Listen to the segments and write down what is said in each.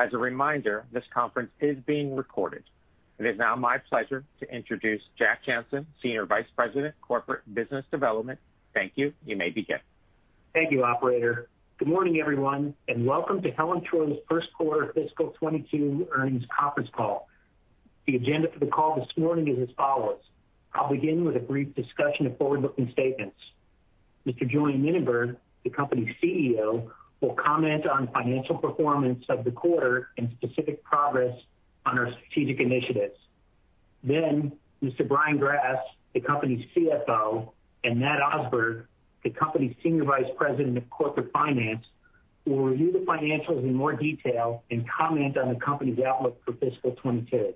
As a reminder, this conference is being recorded. It is now my pleasure to introduce Jack Jancin, Senior Vice President of Corporate and Business Development. Thank you. You may begin. Thank you, operator. Good morning, everyone, and welcome to Helen of Troy's first quarter fiscal 2022 earnings conference call. The agenda for the call this morning is as follows. I will begin with a brief discussion of forward-looking statements. Mr. Julien Mininberg, the company's CEO, will comment on financial performance of the quarter and specific progress on our strategic initiatives. Mr. Brian Grass, the company's CFO, and Matt Osberg, the company's Senior Vice President of Corporate Finance, will review the financials in more detail and comment on the company's outlook for fiscal 2022.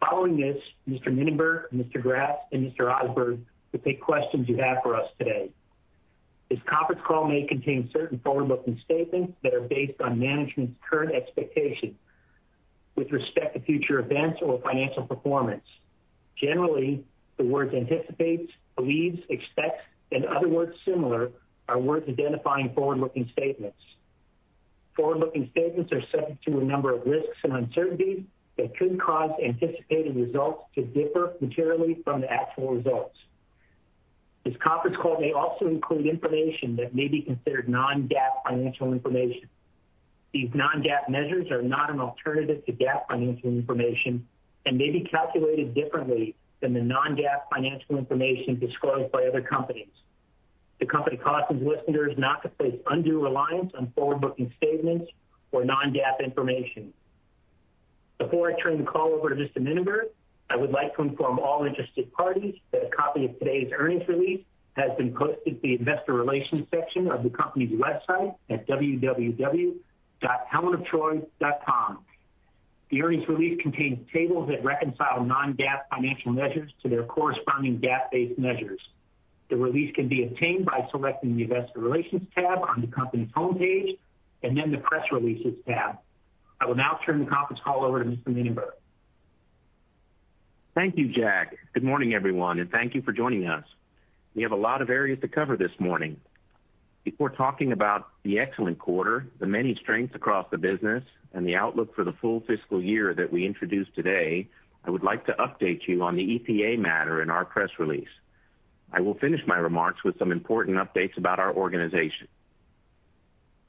Following this, Mr. Mininberg, Mr. Grass, and Mr. Osberg will take questions you have for us today. This conference call may contain certain forward-looking statements that are based on management's current expectations with respect to future events or financial performance. Generally, the words "anticipate," "believe," "expect," and other words similar are words identifying forward-looking statements. Forward-looking statements are subject to a number of risks and uncertainties that could cause anticipated results to differ materially from the actual results. This conference call may also include information that may be considered non-GAAP financial information. These non-GAAP measures are not an alternative to GAAP financial information and may be calculated differently than the non-GAAP financial information disclosed by other companies. The company cautions listeners not to place undue reliance on forward-looking statements or non-GAAP information. Before I turn the call over to Mr. Mininberg, I would like to inform all interested parties that a copy of today's earnings release has been posted to the investor relations section of the company's website at www.helenoftroy.com. The earnings release contains tables that reconcile non-GAAP financial measures to their corresponding GAAP-based measures. The release can be obtained by selecting the investor relations tab on the company's homepage, and then the press releases tab. I will now turn the conference call over to Mr. Mininberg. Thank you, Jack. Good morning, everyone, and thank you for joining us. We have a lot of areas to cover this morning. Before talking about the excellent quarter, the many strengths across the business, and the outlook for the full fiscal year that we introduced today, I would like to update you on the EPA matter in our press release. I will finish my remarks with some important updates about our organization.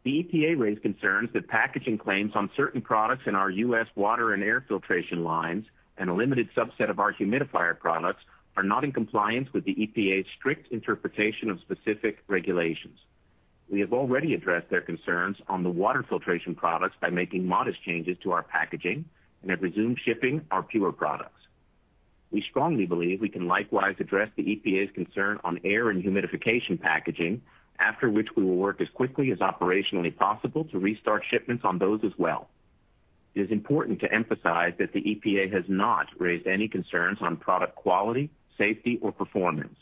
The EPA raised concerns that packaging claims on certain products in our U.S. water and air filtration lines and a limited subset of our humidifier products are not in compliance with the EPA's strict interpretation of specific regulations. We have already addressed their concerns on the water filtration products by making modest changes to our packaging and have resumed shipping our PUR products. We strongly believe we can likewise address the EPA's concern on air and humidification packaging, after which we will work as quickly as operationally possible to restart shipments on those as well. It is important to emphasize that the EPA has not raised any concerns on product quality, safety, or performance.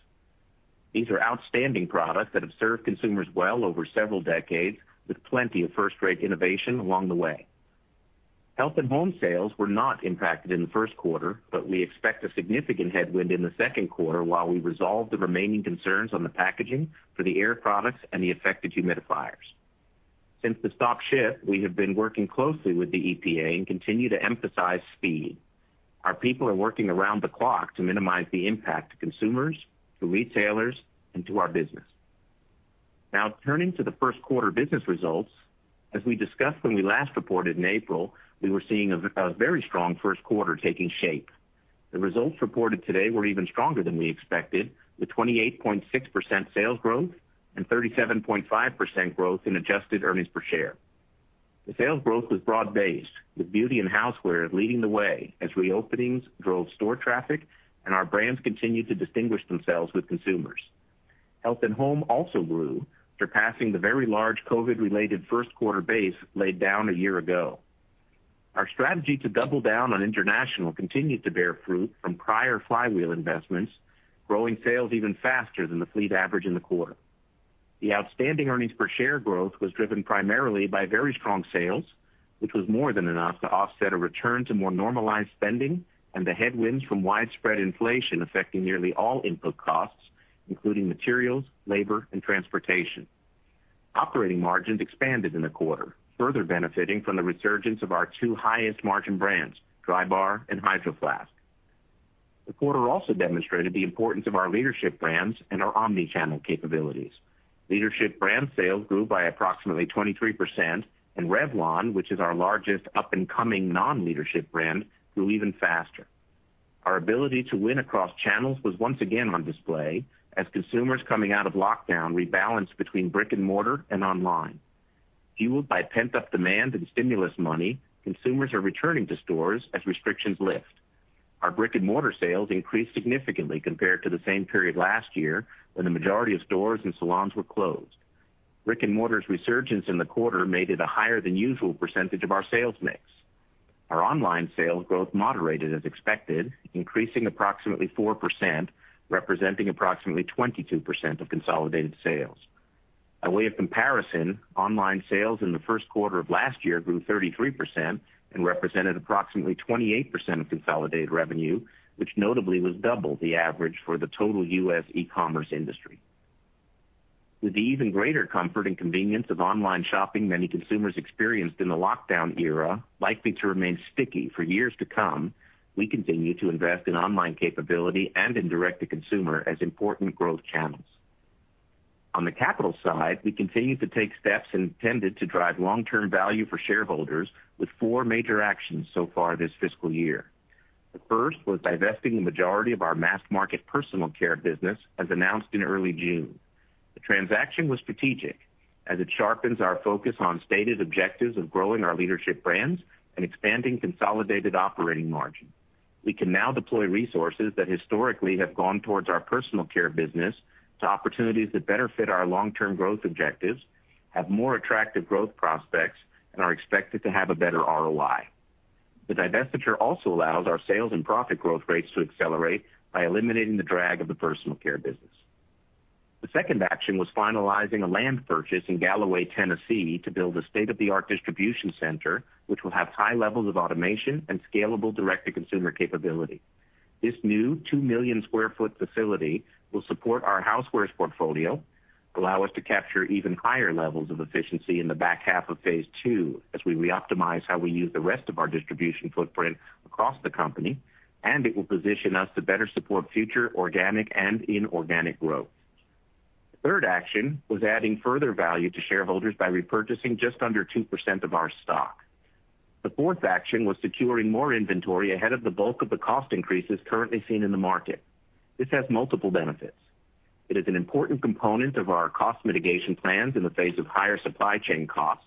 These are outstanding products that have served consumers well over several decades, with plenty of first-rate innovation along the way. Health and Home sales were not impacted in the first quarter, but we expect a significant headwind in the second quarter while we resolve the remaining concerns on the packaging for the air products and the affected humidifiers. Since the stop ship, we have been working closely with the EPA and continue to emphasize speed. Our people are working around the clock to minimize the impact to consumers, to retailers, and to our business. Turning to the first quarter business results. As we discussed when we last reported in April, we were seeing a very strong first quarter taking shape. The results reported today were even stronger than we expected, with 28.6% sales growth and 37.5% growth in adjusted earnings per share. The sales growth was broad-based, with beauty and housewares leading the way as reopenings drove store traffic and our brands continued to distinguish themselves with consumers. Health and Home also grew, surpassing the very large COVID-related first-quarter base laid down a year ago. Our strategy to double down on international continued to bear fruit from prior flywheel investments, growing sales even faster than the fleet average in the quarter. The outstanding earnings per share growth was driven primarily by very strong sales, which was more than enough to offset a return to more normalized spending and the headwinds from widespread inflation affecting nearly all input costs, including materials, labor, and transportation. Operating margins expanded in the quarter, further benefiting from the resurgence of our two highest-margin brands, Drybar and Hydro Flask. The quarter also demonstrated the importance of our leadership brands and our omni-channel capabilities. Leadership brand sales grew by approximately 23%, and Revlon, which is our largest up-and-coming non-leadership brand, grew even faster. Our ability to win across channels was once again on display as consumers coming out of lockdown rebalanced between brick and mortar and online. Fueled by pent-up demand and stimulus money, consumers are returning to stores as restrictions lift. Our brick and mortar sales increased significantly compared to the same period last year when the majority of stores and salons were closed. Brick and mortar's resurgence in the quarter made it a higher than usual percentage of our sales mix. Our online sales growth moderated as expected, increasing approximately 4%, representing approximately 22% of consolidated sales. By way of comparison, online sales in the first quarter of last year grew 33% and represented approximately 28% of consolidated revenue, which notably was double the average for the total U.S. e-commerce industry. With the even greater comfort and convenience of online shopping many consumers experienced in the lockdown era likely to remain sticky for years to come, we continue to invest in online capability and in direct-to-consumer as important growth channels. On the capital side, we continue to take steps intended to drive long-term value for shareholders with four major actions so far this fiscal year. The first was divesting the majority of our mass-market personal care business, as announced in early June. The transaction was strategic, as it sharpens our focus on stated objectives of growing our leadership brands and expanding consolidated operating margin. We can now deploy resources that historically have gone towards our personal care business to opportunities that better fit our long-term growth objectives, have more attractive growth prospects, and are expected to have a better ROI. The divestiture also allows our sales and profit growth rates to accelerate by eliminating the drag of the personal care business. The second action was finalizing a land purchase in Gallaway, Tennessee, to build a state-of-the-art distribution center, which will have high levels of automation and scalable direct-to-consumer capability. This new 2 million sq ft facility will support our housewares portfolio, allow us to capture even higher levels of efficiency in the back half of phase II as we re-optimize how we use the rest of our distribution footprint across the company, and it will position us to better support future organic and inorganic growth. The third action was adding further value to shareholders by repurchasing just under 2% of our stock. The fourth action was securing more inventory ahead of the bulk of the cost increases currently seen in the market. This has multiple benefits. It is an important component of our cost mitigation plans in the face of higher supply chain costs.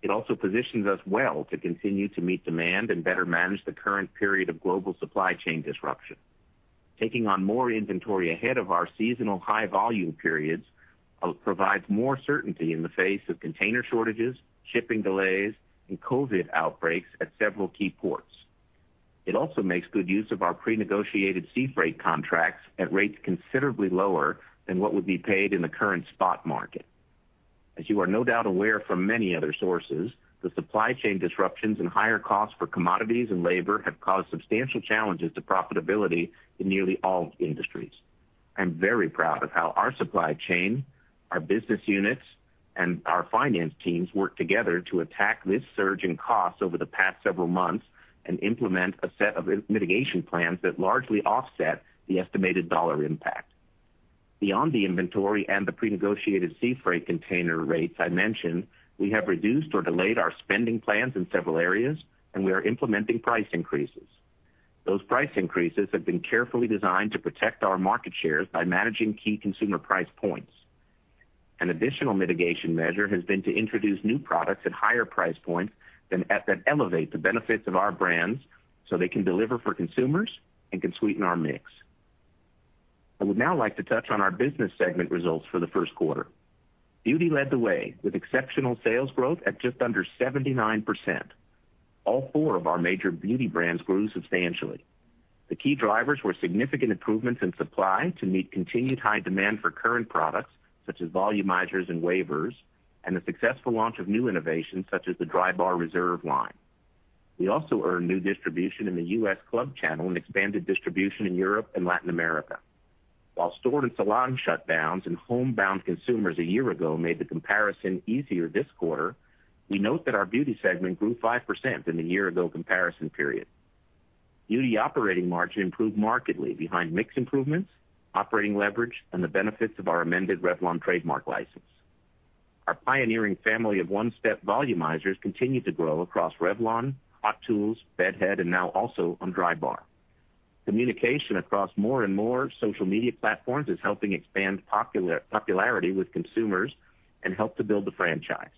It also positions us well to continue to meet demand and better manage the current period of global supply chain disruption. Taking on more inventory ahead of our seasonal high-volume periods provides more certainty in the face of container shortages, shipping delays, and COVID outbreaks at several key ports. It also makes good use of our pre-negotiated sea freight contracts at rates considerably lower than what would be paid in the current spot market. As you are no doubt aware from many other sources, the supply chain disruptions and higher costs for commodities and labor have caused substantial challenges to profitability in nearly all industries. I'm very proud of how our supply chain, our business units, and our finance teams worked together to attack this surge in costs over the past several months and implement a set of mitigation plans that largely offset the estimated dollar impact. Beyond the inventory and the pre-negotiated sea freight container rates I mentioned, we have reduced or delayed our spending plans in several areas, and we are implementing price increases. Those price increases have been carefully designed to protect our market shares by managing key consumer price points. An additional mitigation measure has been to introduce new products at higher price points that elevate the benefits of our brands so they can deliver for consumers and can sweeten our mix. I would now like to touch on our business segment results for the first quarter. Beauty led the way with exceptional sales growth at just under 79%. All four of our major beauty brands grew substantially. The key drivers were significant improvements in supply to meet continued high demand for current products, such as volumizers and wavers, and the successful launch of new innovations such as the Drybar Reserve line. We also earned new distribution in the U.S. club channel and expanded distribution in Europe and Latin America. While store and salon shutdowns and homebound consumers a year ago made the comparison easier this quarter, we note that our beauty segment grew 5% in the year-ago comparison period. Beauty operating margin improved markedly behind mix improvements, operating leverage, and the benefits of our amended Revlon trademark license. Our pioneering family of One Step volumizers continued to grow across Revlon, Hot Tools, Bed Head, and now also on Drybar. Communication across more and more social media platforms is helping expand popularity with consumers and help to build the franchise.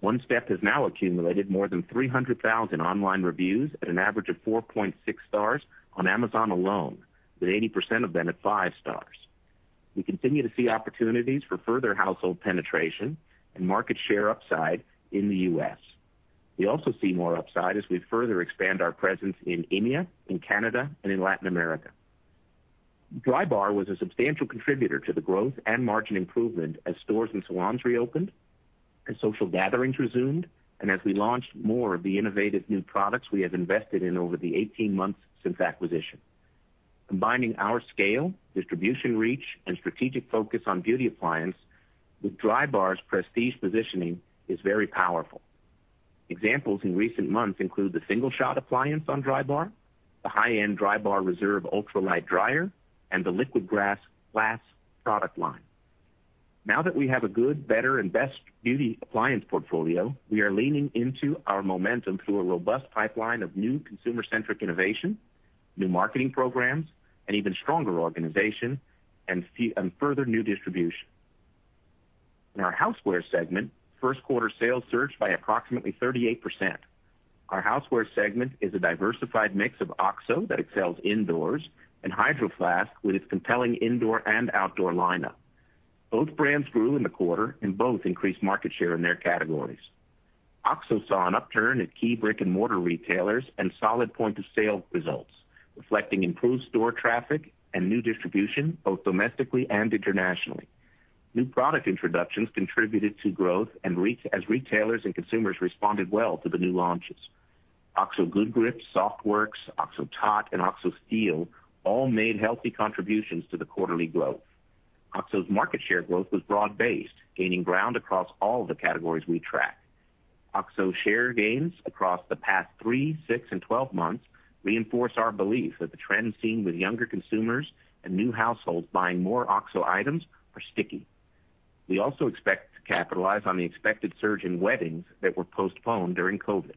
One Step has now accumulated more than 300,000 online reviews at an average of 4.6 stars on Amazon alone, with 80% of them at five stars. We continue to see opportunities for further household penetration and market share upside in the U.S. We also see more upside as we further expand our presence in India, in Canada, and in Latin America. Drybar was a substantial contributor to the growth and margin improvement as stores and salons reopened, as social gatherings resumed, and as we launched more of the innovative new products we have invested in over the 18 months since acquisition. Combining our scale, distribution reach, and strategic focus on beauty appliance with Drybar's prestige positioning is very powerful. Examples in recent months include the Single Shot appliance on Drybar, the high-end Drybar Reserve Ultralight dryer, and the Liquid Glass product line. Now that we have a good, better, and best beauty appliance portfolio, we are leaning into our momentum through a robust pipeline of new consumer-centric innovation, new marketing programs, an even stronger organization, and further new distribution. In our housewares segment, first quarter sales surged by approximately 38%. Our Housewares segment is a diversified mix of OXO that excels indoors and Hydro Flask with its compelling indoor and outdoor lineup. Both brands grew in the quarter, and both increased market share in their categories. OXO saw an upturn in key brick-and-mortar retailers and solid point-of-sale results, reflecting improved store traffic and new distribution both domestically and internationally. New product introductions contributed to growth as retailers and consumers responded well to the new launches. OXO Good Grips, SoftWorks, OXO Tot, and OXO Steel all made healthy contributions to the quarterly growth. OXO's market share growth was broad-based, gaining ground across all the categories we track. OXO share gains across the past three, six, and 12 months reinforce our belief that the trend seen with younger consumers and new households buying more OXO items are sticky. We also expect to capitalize on the expected surge in weddings that were postponed during COVID.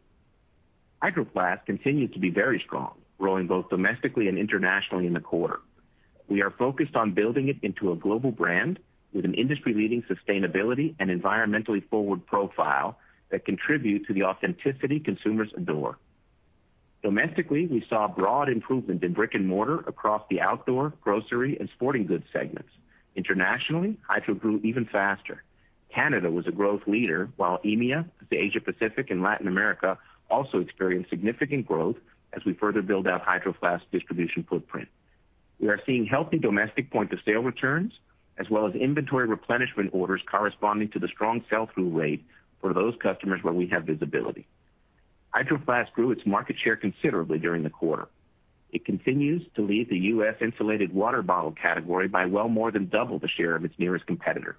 Hydro Flask continued to be very strong, growing both domestically and internationally in the quarter. We are focused on building it into a global brand with an industry-leading sustainability and environmentally forward profile that contributes to the authenticity consumers adore. Domestically, we saw broad improvement in brick-and-mortar across the outdoor, grocery, and sporting goods segments. Internationally, Hydro grew even faster. Canada was a growth leader, while EMEA, Asia Pacific, and Latin America also experienced significant growth as we further build out Hydro Flask's distribution footprint. We are seeing healthy domestic point-of-sale returns, as well as inventory replenishment orders corresponding to the strong sell-through rate for those customers where we have visibility. Hydro Flask grew its market share considerably during the quarter. It continues to lead the U.S. insulated water bottle category by well more than double the share of its nearest competitor.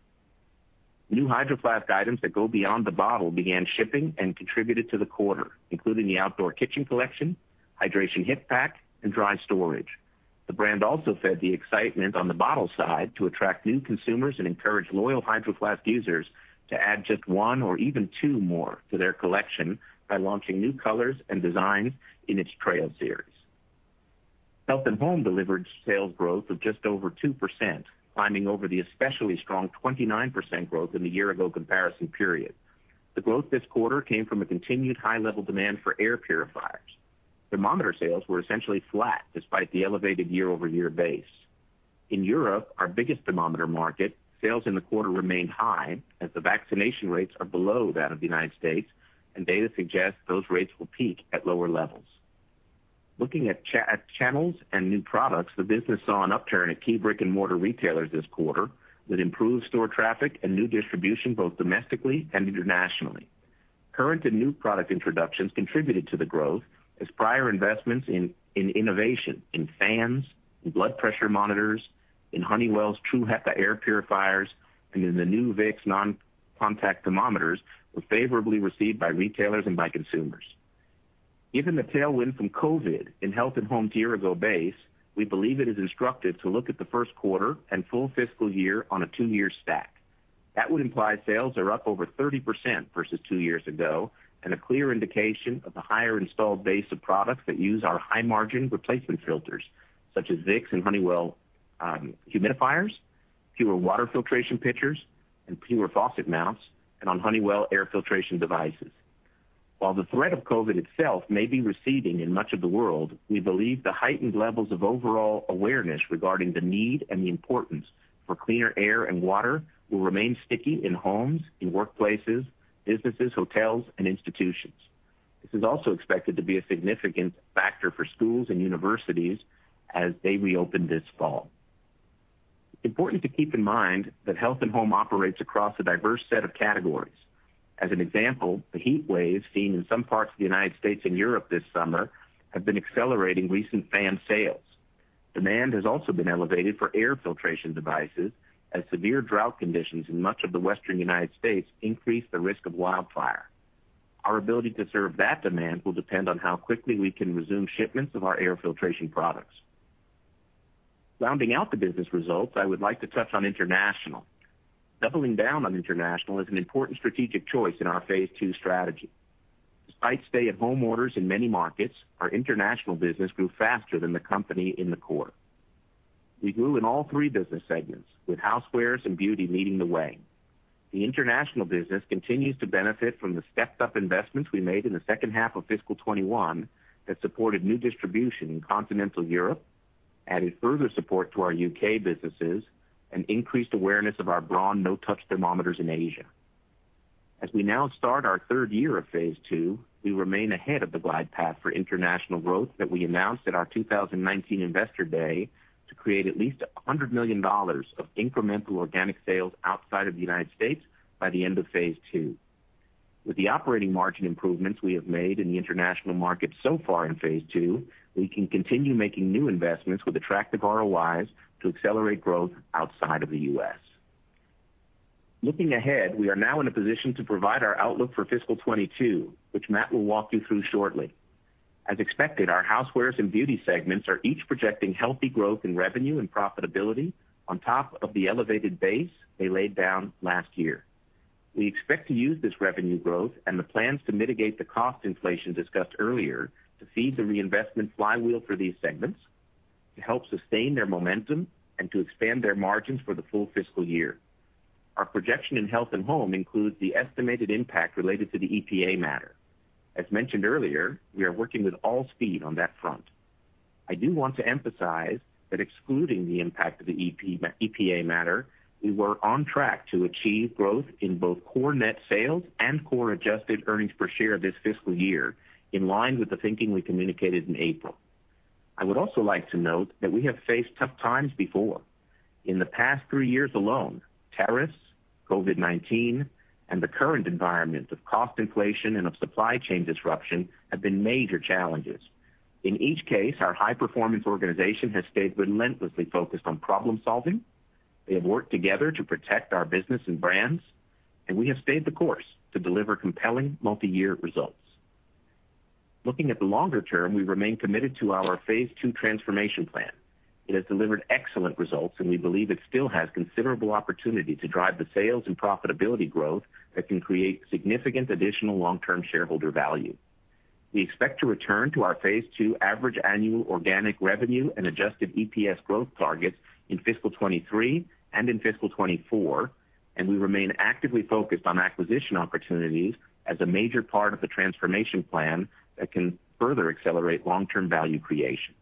New Hydro Flask items that go beyond the bottle began shipping and contributed to the quarter, including the Outdoor Kitchen Collection, Hydration Hip Pack, and Dry Storage. The brand also fed the excitement on the bottle side to attract new consumers and encourage loyal Hydro Flask users to add just one or even two more to their collection by launching new colors and designs in its Trail Series. Health & Home delivered sales growth of just over 2%, climbing over the especially strong 29% growth in the year-ago comparison period. The growth this quarter came from a continued high level of demand for air purifiers. Thermometer sales were essentially flat despite the elevated year-over-year base. In Europe, our biggest thermometer market, sales in the quarter remained high as the vaccination rates are below that of the U.S., and data suggests those rates will peak at lower levels. Looking at channels and new products, the business saw an upturn in key brick-and-mortar retailers this quarter, with improved store traffic and new distribution both domestically and internationally. Current and new product introductions contributed to the growth as prior investments in innovation in fans, in blood pressure monitors, in Honeywell's True HEPA air purifiers, and in the new Vicks non-contact thermometers were favorably received by retailers and by consumers. Given the tailwind from COVID in Health & Home year-ago base, we believe it is instructive to look at the first quarter and full fiscal year on a two-year stack. That would imply sales are up over 30% versus two years ago and a clear indication of the higher installed base of products that use our high-margin replacement filters, such as Vicks and Honeywell humidifiers, PUR water filtration pitchers and PUR faucet mounts, and on Honeywell air filtration devices. While the threat of COVID itself may be receding in much of the world, we believe the heightened levels of overall awareness regarding the need and the importance for cleaner air and water will remain sticky in homes, in workplaces, businesses, hotels, and institutions. This is also expected to be a significant factor for schools and universities as they reopen this fall. It's important to keep in mind that Health & Home operates across a diverse set of categories. As an example, the heat waves seen in some parts of the U.S. and Europe this summer have been accelerating recent fan sales. Demand has also been elevated for air filtration devices as severe drought conditions in much of the Western U.S. increase the risk of wildfire. Our ability to serve that demand will depend on how quickly we can resume shipments of our air filtration products. Rounding out the business results, I would like to touch on International. Doubling down on International is an important strategic choice in our phase II strategy. Despite stay-at-home orders in many markets, our International business grew faster than the company in the quarter. We grew in all three business segments, with Housewares and Beauty leading the way. The International business continues to benefit from the stepped-up investments we made in the second half of fiscal 2021 that supported new distribution in continental Europe, added further support to our U.K. businesses, and increased awareness of our Braun no-touch thermometers in Asia. As we now start our third year of phase II, we remain ahead of the glide path for international growth that we announced at our 2019 Investor Day to create at least $100 million of incremental organic sales outside of the United States by the end of phase II. With the operating margin improvements we have made in the international market so far in phase II, we can continue making new investments with attractive ROIs to accelerate growth outside of the U.S. Looking ahead, we are now in a position to provide our outlook for fiscal 2022, which Matt will walk you through shortly. As expected, our Housewares and Beauty segments are each projecting healthy growth in revenue and profitability on top of the elevated base they laid down last year. We expect to use this revenue growth and the plans to mitigate the cost inflation discussed earlier to feed the reinvestment flywheel for these segments, to help sustain their momentum, and to expand their margins for the full fiscal year. Our projection in Health & Home includes the estimated impact related to the EPA matter. As mentioned earlier, we are working with all speed on that front. I do want to emphasize that excluding the impact of the EPA matter, we were on track to achieve growth in both core net sales and core adjusted earnings per share this fiscal year, in line with the thinking we communicated in April. I would also like to note that we have faced tough times before. In the past three years alone, tariffs, COVID-19, and the current environment of cost inflation and of supply chain disruption have been major challenges. In each case, our high-performance organization has stayed relentlessly focused on problem-solving. We have worked together to protect our business and brands, and we have stayed the course to deliver compelling multi-year results. Looking at the longer term, we remain committed to our phase II transformation plan. It has delivered excellent results, and we believe it still has considerable opportunity to drive the sales and profitability growth that can create significant additional long-term shareholder value. We expect to return to our phase II average annual organic revenue and adjusted EPS growth targets in fiscal 2023 and in fiscal 2024, and we remain actively focused on acquisition opportunities as a major part of the transformation plan that can further accelerate long-term value creation.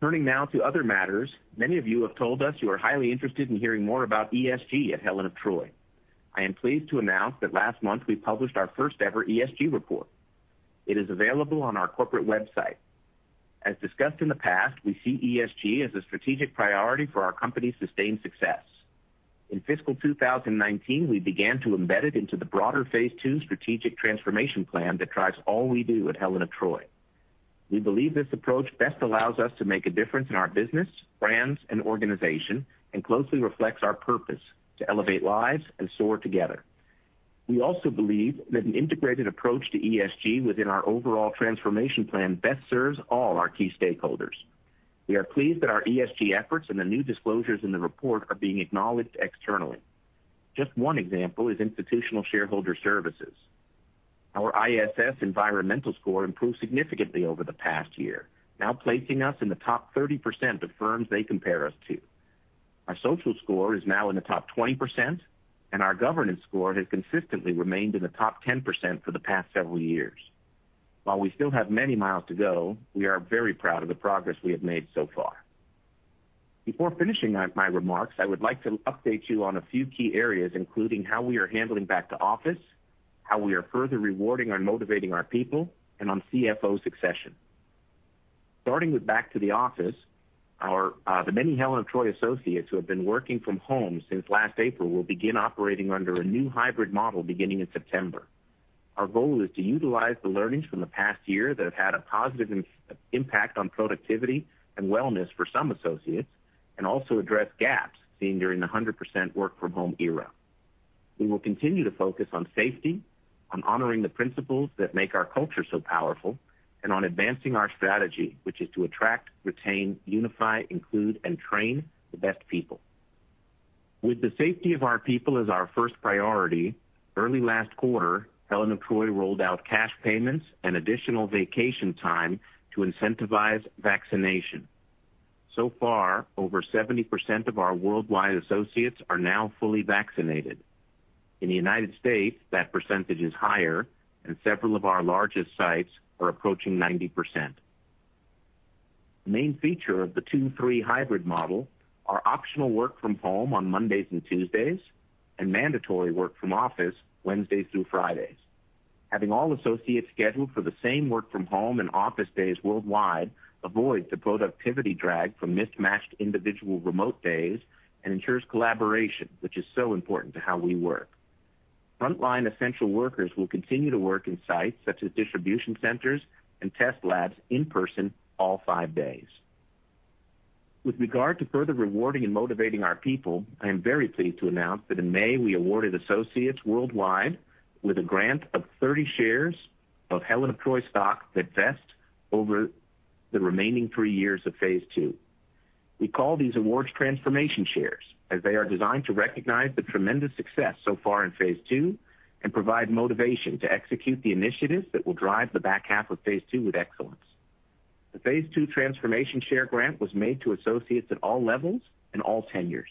Turning now to other matters, many of you have told us you are highly interested in hearing more about ESG at Helen of Troy. I am pleased to announce that last month we published our first ever ESG report. It is available on our corporate website. As discussed in the past, we see ESG as a strategic priority for our company's sustained success. In fiscal 2019, we began to embed it into the broader phase II strategic transformation plan that drives all we do at Helen of Troy. We believe this approach best allows us to make a difference in our business, brands, and organization, and closely reflects our purpose to elevate lives and soar together. We also believe that an integrated approach to ESG within our overall transformation plan best serves all our key stakeholders. We are pleased that our ESG efforts and the new disclosures in the report are being acknowledged externally. Just one example is Institutional Shareholder Services. Our ISS environmental score improved significantly over the past year, now placing us in the top 30% of firms they compare us to. Our social score is now in the top 20%, and our governance score has consistently remained in the top 10% for the past several years. While we still have many miles to go, we are very proud of the progress we have made so far. Before finishing my remarks, I would like to update you on a few key areas, including how we are handling back to office, how we are further rewarding and motivating our people, and on CFO succession. Starting with back to the office, the many Helen of Troy associates who have been working from home since last April will begin operating under a new hybrid model beginning in September. Our goal is to utilize the learnings from the past year that have had a positive impact on productivity and wellness for some associates, and also address gaps seen during the 100% work from home era. We will continue to focus on safety, on honoring the principles that make our culture so powerful, and on advancing our strategy, which is to attract, retain, unify, include, and train the best people. With the safety of our people as our first priority, early last quarter, Helen of Troy rolled out cash payments and additional vacation time to incentivize vaccination. So far, over 70% of our worldwide associates are now fully vaccinated. In the United States, that percentage is higher, and several of our largest sites are approaching 90%. The main feature of the two to three hybrid model are optional work from home on Mondays and Tuesdays, and mandatory work from office Wednesdays through Fridays. Having all associates scheduled for the same work from home and office days worldwide avoids the productivity drag from mismatched individual remote days and ensures collaboration, which is so important to how we work. Frontline essential workers will continue to work in sites such as distribution centers and test labs in person all five days. With regard to further rewarding and motivating our people, I am very pleased to announce that in May, we awarded associates worldwide with a grant of 30 shares of Helen of Troy stock that vest over the remaining three years of phase II. We call these awards Transformation Shares, as they are designed to recognize the tremendous success so far in phase II and provide motivation to execute the initiatives that will drive the back half of phase II with excellence. The phase II Transformation Share grant was made to associates at all levels and all tenures.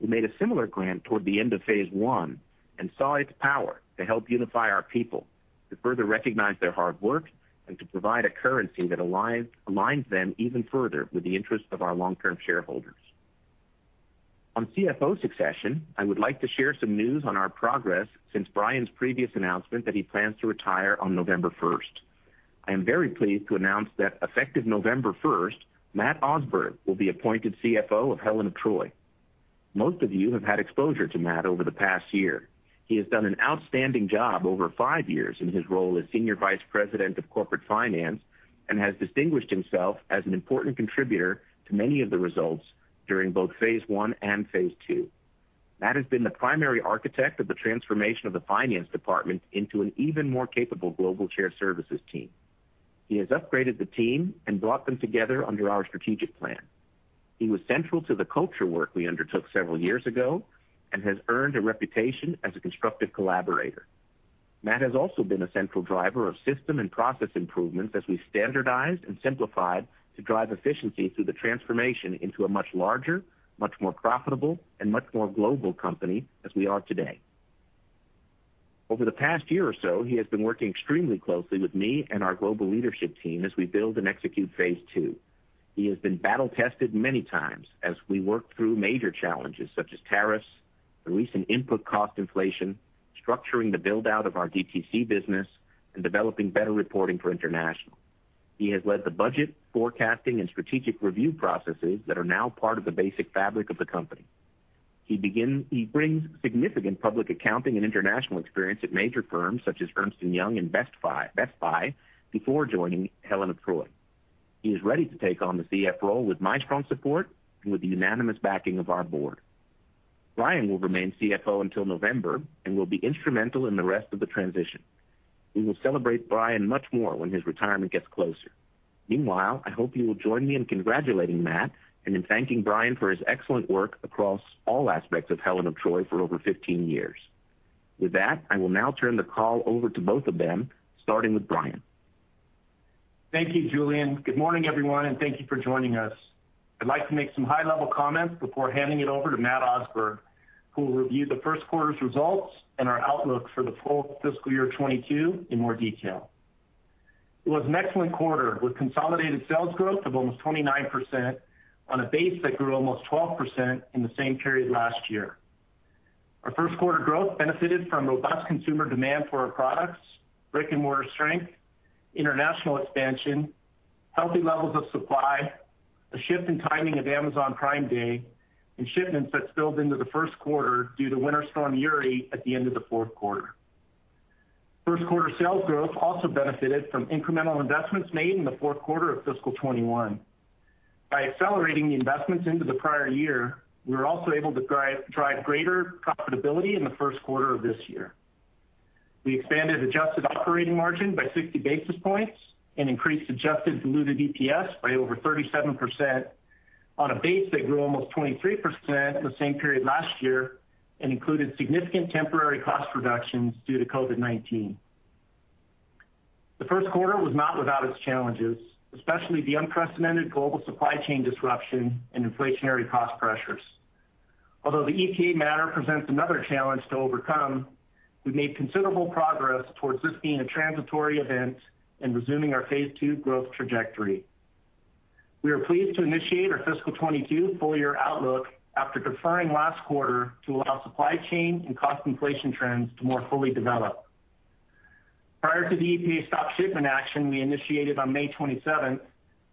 We made a similar grant toward the end of phase I and saw its power to help unify our people, to further recognize their hard work, and to provide a currency that aligns them even further with the interest of our long-term shareholders. On CFO succession, I would like to share some news on our progress since Brian's previous announcement that he plans to retire on November 1st. I am very pleased to announce that effective November 1st, Matt Osberg will be appointed CFO of Helen of Troy. Most of you have had exposure to Matt over the past year. He has done an outstanding job over five years in his role as Senior Vice President of Corporate Finance and has distinguished himself as an important contributor to many of the results during both phase I and phase II. Matt has been the primary architect of the transformation of the finance department into an even more capable global shared services team. He has upgraded the team and brought them together under our strategic plan. He was central to the culture work we undertook several years ago and has earned a reputation as a constructive collaborator. Matt has also been a central driver of system and process improvements as we standardized and simplified to drive efficiency through the transformation into a much larger, much more profitable, and much more global company as we are today. Over the past year or so, he has been working extremely closely with me and our global leadership team as we build and execute phase II. He has been battle tested many times as we worked through major challenges such as tariffs, recent input cost inflation, structuring the build-out of our DTC business, and developing better reporting for international. He has led the budget forecasting and strategic review processes that are now part of the basic fabric of the company. He brings significant public accounting and international experience at major firms such as Ernst & Young and Best Buy before joining Helen of Troy. He is ready to take on the CFO role with my strong support and with the unanimous backing of our board. Brian will remain CFO until November and will be instrumental in the rest of the transition. We will celebrate Brian much more when his retirement gets closer. Meanwhile, I hope you will join me in congratulating Matt and in thanking Brian for his excellent work across all aspects of Helen of Troy for over 15 years. With that, I will now turn the call over to both of them, starting with Brian. Thank you, Julien. Good morning, everyone, and thank you for joining us. I'd like to make some high-level comments before handing it over to Matt Osberg, who will review the first quarter's results and our outlook for the full fiscal year 2022 in more detail. It was an excellent quarter with consolidated sales growth of almost 29% on a base that grew almost 12% in the same period last year. Our first quarter growth benefited from robust consumer demand for our products, brick-and-mortar strength, international expansion, healthy levels of supply, a shift in timing of Amazon Prime Day, shipments that spilled into the first quarter due to Winter Storm Uri at the end of the fourth quarter. First quarter sales growth also benefited from incremental investments made in the fourth quarter of fiscal 2021. By accelerating the investments into the prior year, we were also able to drive greater profitability in the first quarter of this year. We expanded adjusted operating margin by 50 basis points and increased adjusted diluted EPS by over 37% on a base that grew almost 23% in the same period last year and included significant temporary cost reductions due to COVID-19. The first quarter was not without its challenges, especially the unprecedented global supply chain disruption and inflationary cost pressures. Although the EPA matter presents another challenge to overcome, we've made considerable progress towards this being a transitory event and resuming our phase II growth trajectory. We are pleased to initiate our fiscal 2022 full-year outlook after deferring last quarter to allow supply chain and cost inflation trends to more fully develop. Prior to the EPA stop shipment action we initiated on May 27th,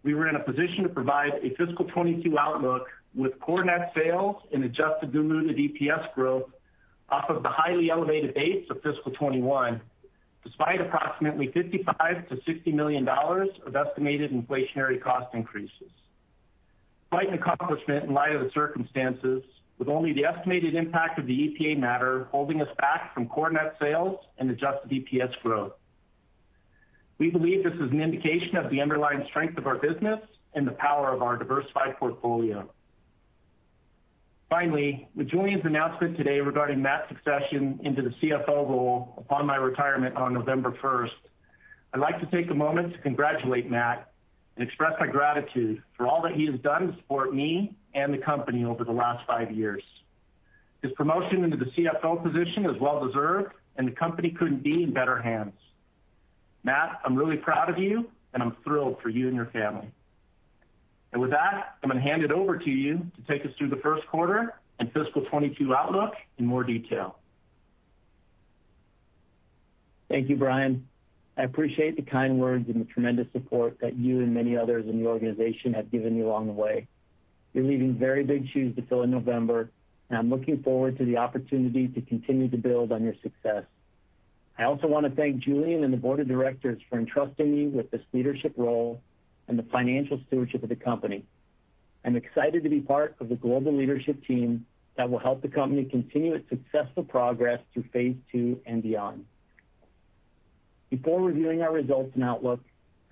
we were in a position to provide a fiscal 2022 outlook with core net sales and adjusted diluted EPS growth off of the highly elevated base of fiscal 2021, despite approximately $55 million-$60 million of estimated inflationary cost increases. Quite an accomplishment in light of the circumstances, with only the estimated impact of the EPA matter holding us back from core net sales and adjusted EPS growth. We believe this is an indication of the underlying strength of our business and the power of our diversified portfolio. Finally, with Julien's announcement today regarding Matt's succession into the CFO role upon my retirement on November 1st, I'd like to take a moment to congratulate Matt and express my gratitude for all that he has done to support me and the company over the last five years. His promotion into the CFO position is well deserved, and the company couldn't be in better hands. Matt, I'm really proud of you, and I'm thrilled for you and your family. With that, I'm going to hand it over to you to take us through the first quarter and fiscal 2022 outlook in more detail. Thank you, Brian. I appreciate the kind words and the tremendous support that you and many others in the organization have given me along the way. You're leaving very big shoes to fill in November, and I'm looking forward to the opportunity to continue to build on your success. I also want to thank Julien and the board of directors for entrusting me with this leadership role and the financial stewardship of the company. I'm excited to be part of the global leadership team that will help the company continue its successful progress through phase II and beyond. Before reviewing our results and outlook,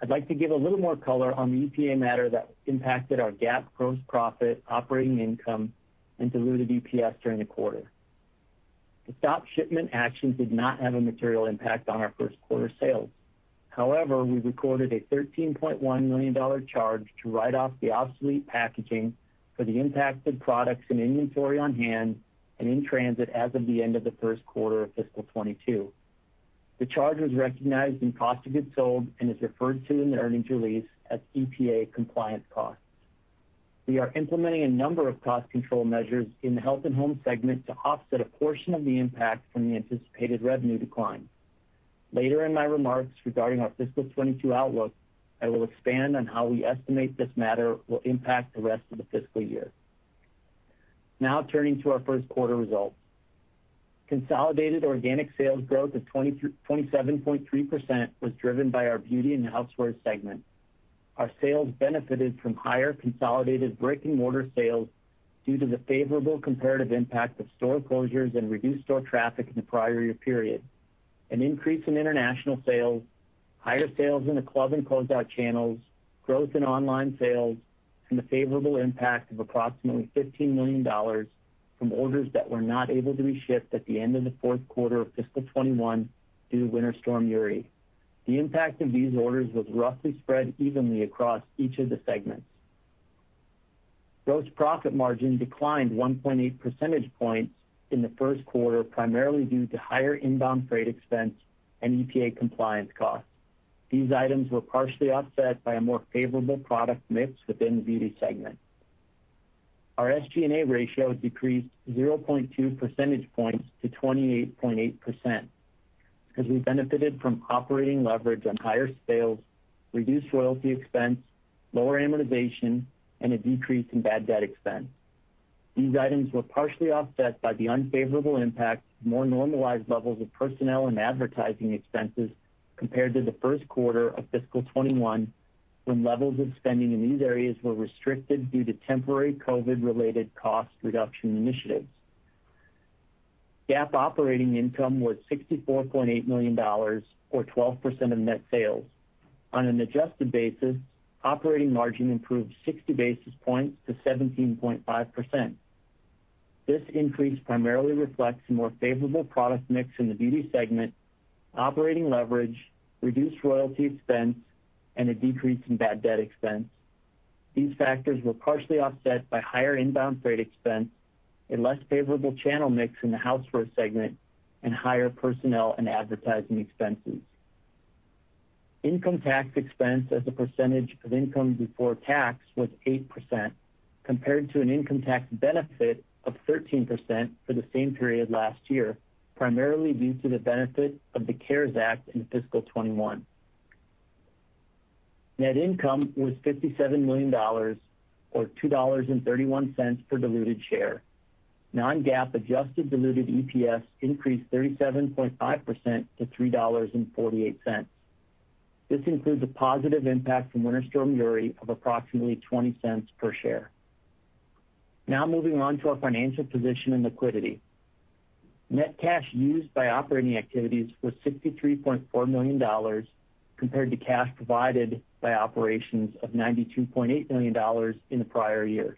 I'd like to give a little more color on the EPA matter that impacted our GAAP gross profit, operating income, and diluted EPS during the quarter. The stop shipment action did not have a material impact on our first quarter sales. We recorded a $13.1 million charge to write off the obsolete packaging for the impacted products in inventory on hand and in transit as of the end of the first quarter of fiscal 2022. The charge was recognized in cost of goods sold and is referred to in the earnings release as EPA compliance costs. We are implementing a number of cost control measures in the Health and Home segment to offset a portion of the impact from the anticipated revenue decline. Later in my remarks regarding our fiscal 2022 outlook, I will expand on how we estimate this matter will impact the rest of the fiscal year. Turning to our first quarter results. Consolidated organic sales growth of 27.3% was driven by our Beauty and Housewares segments. Our sales benefited from higher consolidated brick-and-mortar sales due to the favorable comparative impact of store closures and reduced store traffic in the prior year period, an increase in international sales, higher sales in the club and co-op channels, growth in online sales, and the favorable impact of approximately $15 million from orders that were not able to be shipped at the end of the fourth quarter of fiscal 2021 due to Winter Storm Uri. The impact of these orders was roughly spread evenly across each of the segments. Gross profit margins declined 1.8 percentage points in the first quarter, primarily due to higher inbound freight expense and EPA compliance costs. These items were partially offset by a more favorable product mix within the beauty segment. Our SG&A ratio decreased 0.2 percentage points to 28.8% as we benefited from operating leverage on higher sales, reduced royalty expense, lower amortization, and a decrease in bad debt expense. These items were partially offset by the unfavorable impact of more normalized levels of personnel and advertising expenses compared to the first quarter of fiscal 2021, when levels of spending in these areas were restricted due to temporary COVID-related cost reduction initiatives. GAAP operating income was $64.8 million, or 12% of net sales. On an adjusted basis, operating margin improved 60 basis points to 17.5%. This increase primarily reflects a more favorable product mix in the beauty segment, operating leverage, reduced royalty expense, and a decrease in bad debt expense. These factors were partially offset by higher inbound freight expense, a less favorable channel mix in the housewares segment, and higher personnel and advertising expenses. Income tax expense as a percentage of income before tax was 8%, compared to an income tax benefit of 13% for the same period last year, primarily due to the benefit of the CARES Act in FY 2021. Net income was $57 million, or $2.31 per diluted share. Non-GAAP adjusted diluted EPS increased 37.5% to $3.48. This includes a positive impact from Winter Storm Uri of approximately $0.20 per share. Now moving on to our financial position and liquidity. Net cash used by operating activities was $63.4 million, compared to cash provided by operations of $92.8 million in the prior year.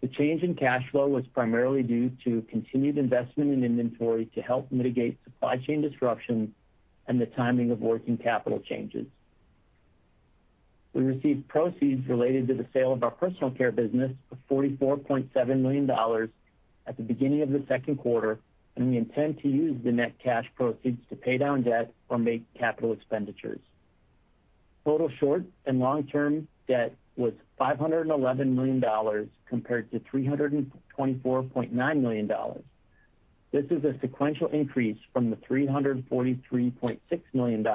The change in cash flow was primarily due to continued investment in inventory to help mitigate supply chain disruptions and the timing of working capital changes. We received proceeds related to the sale of our personal care business of $44.7 million at the beginning of the second quarter, and we intend to use the net cash proceeds to pay down debt or make capital expenditures. Total short- and long-term debt was $511 million, compared to $324.9 million. This is a sequential increase from the $343.6 million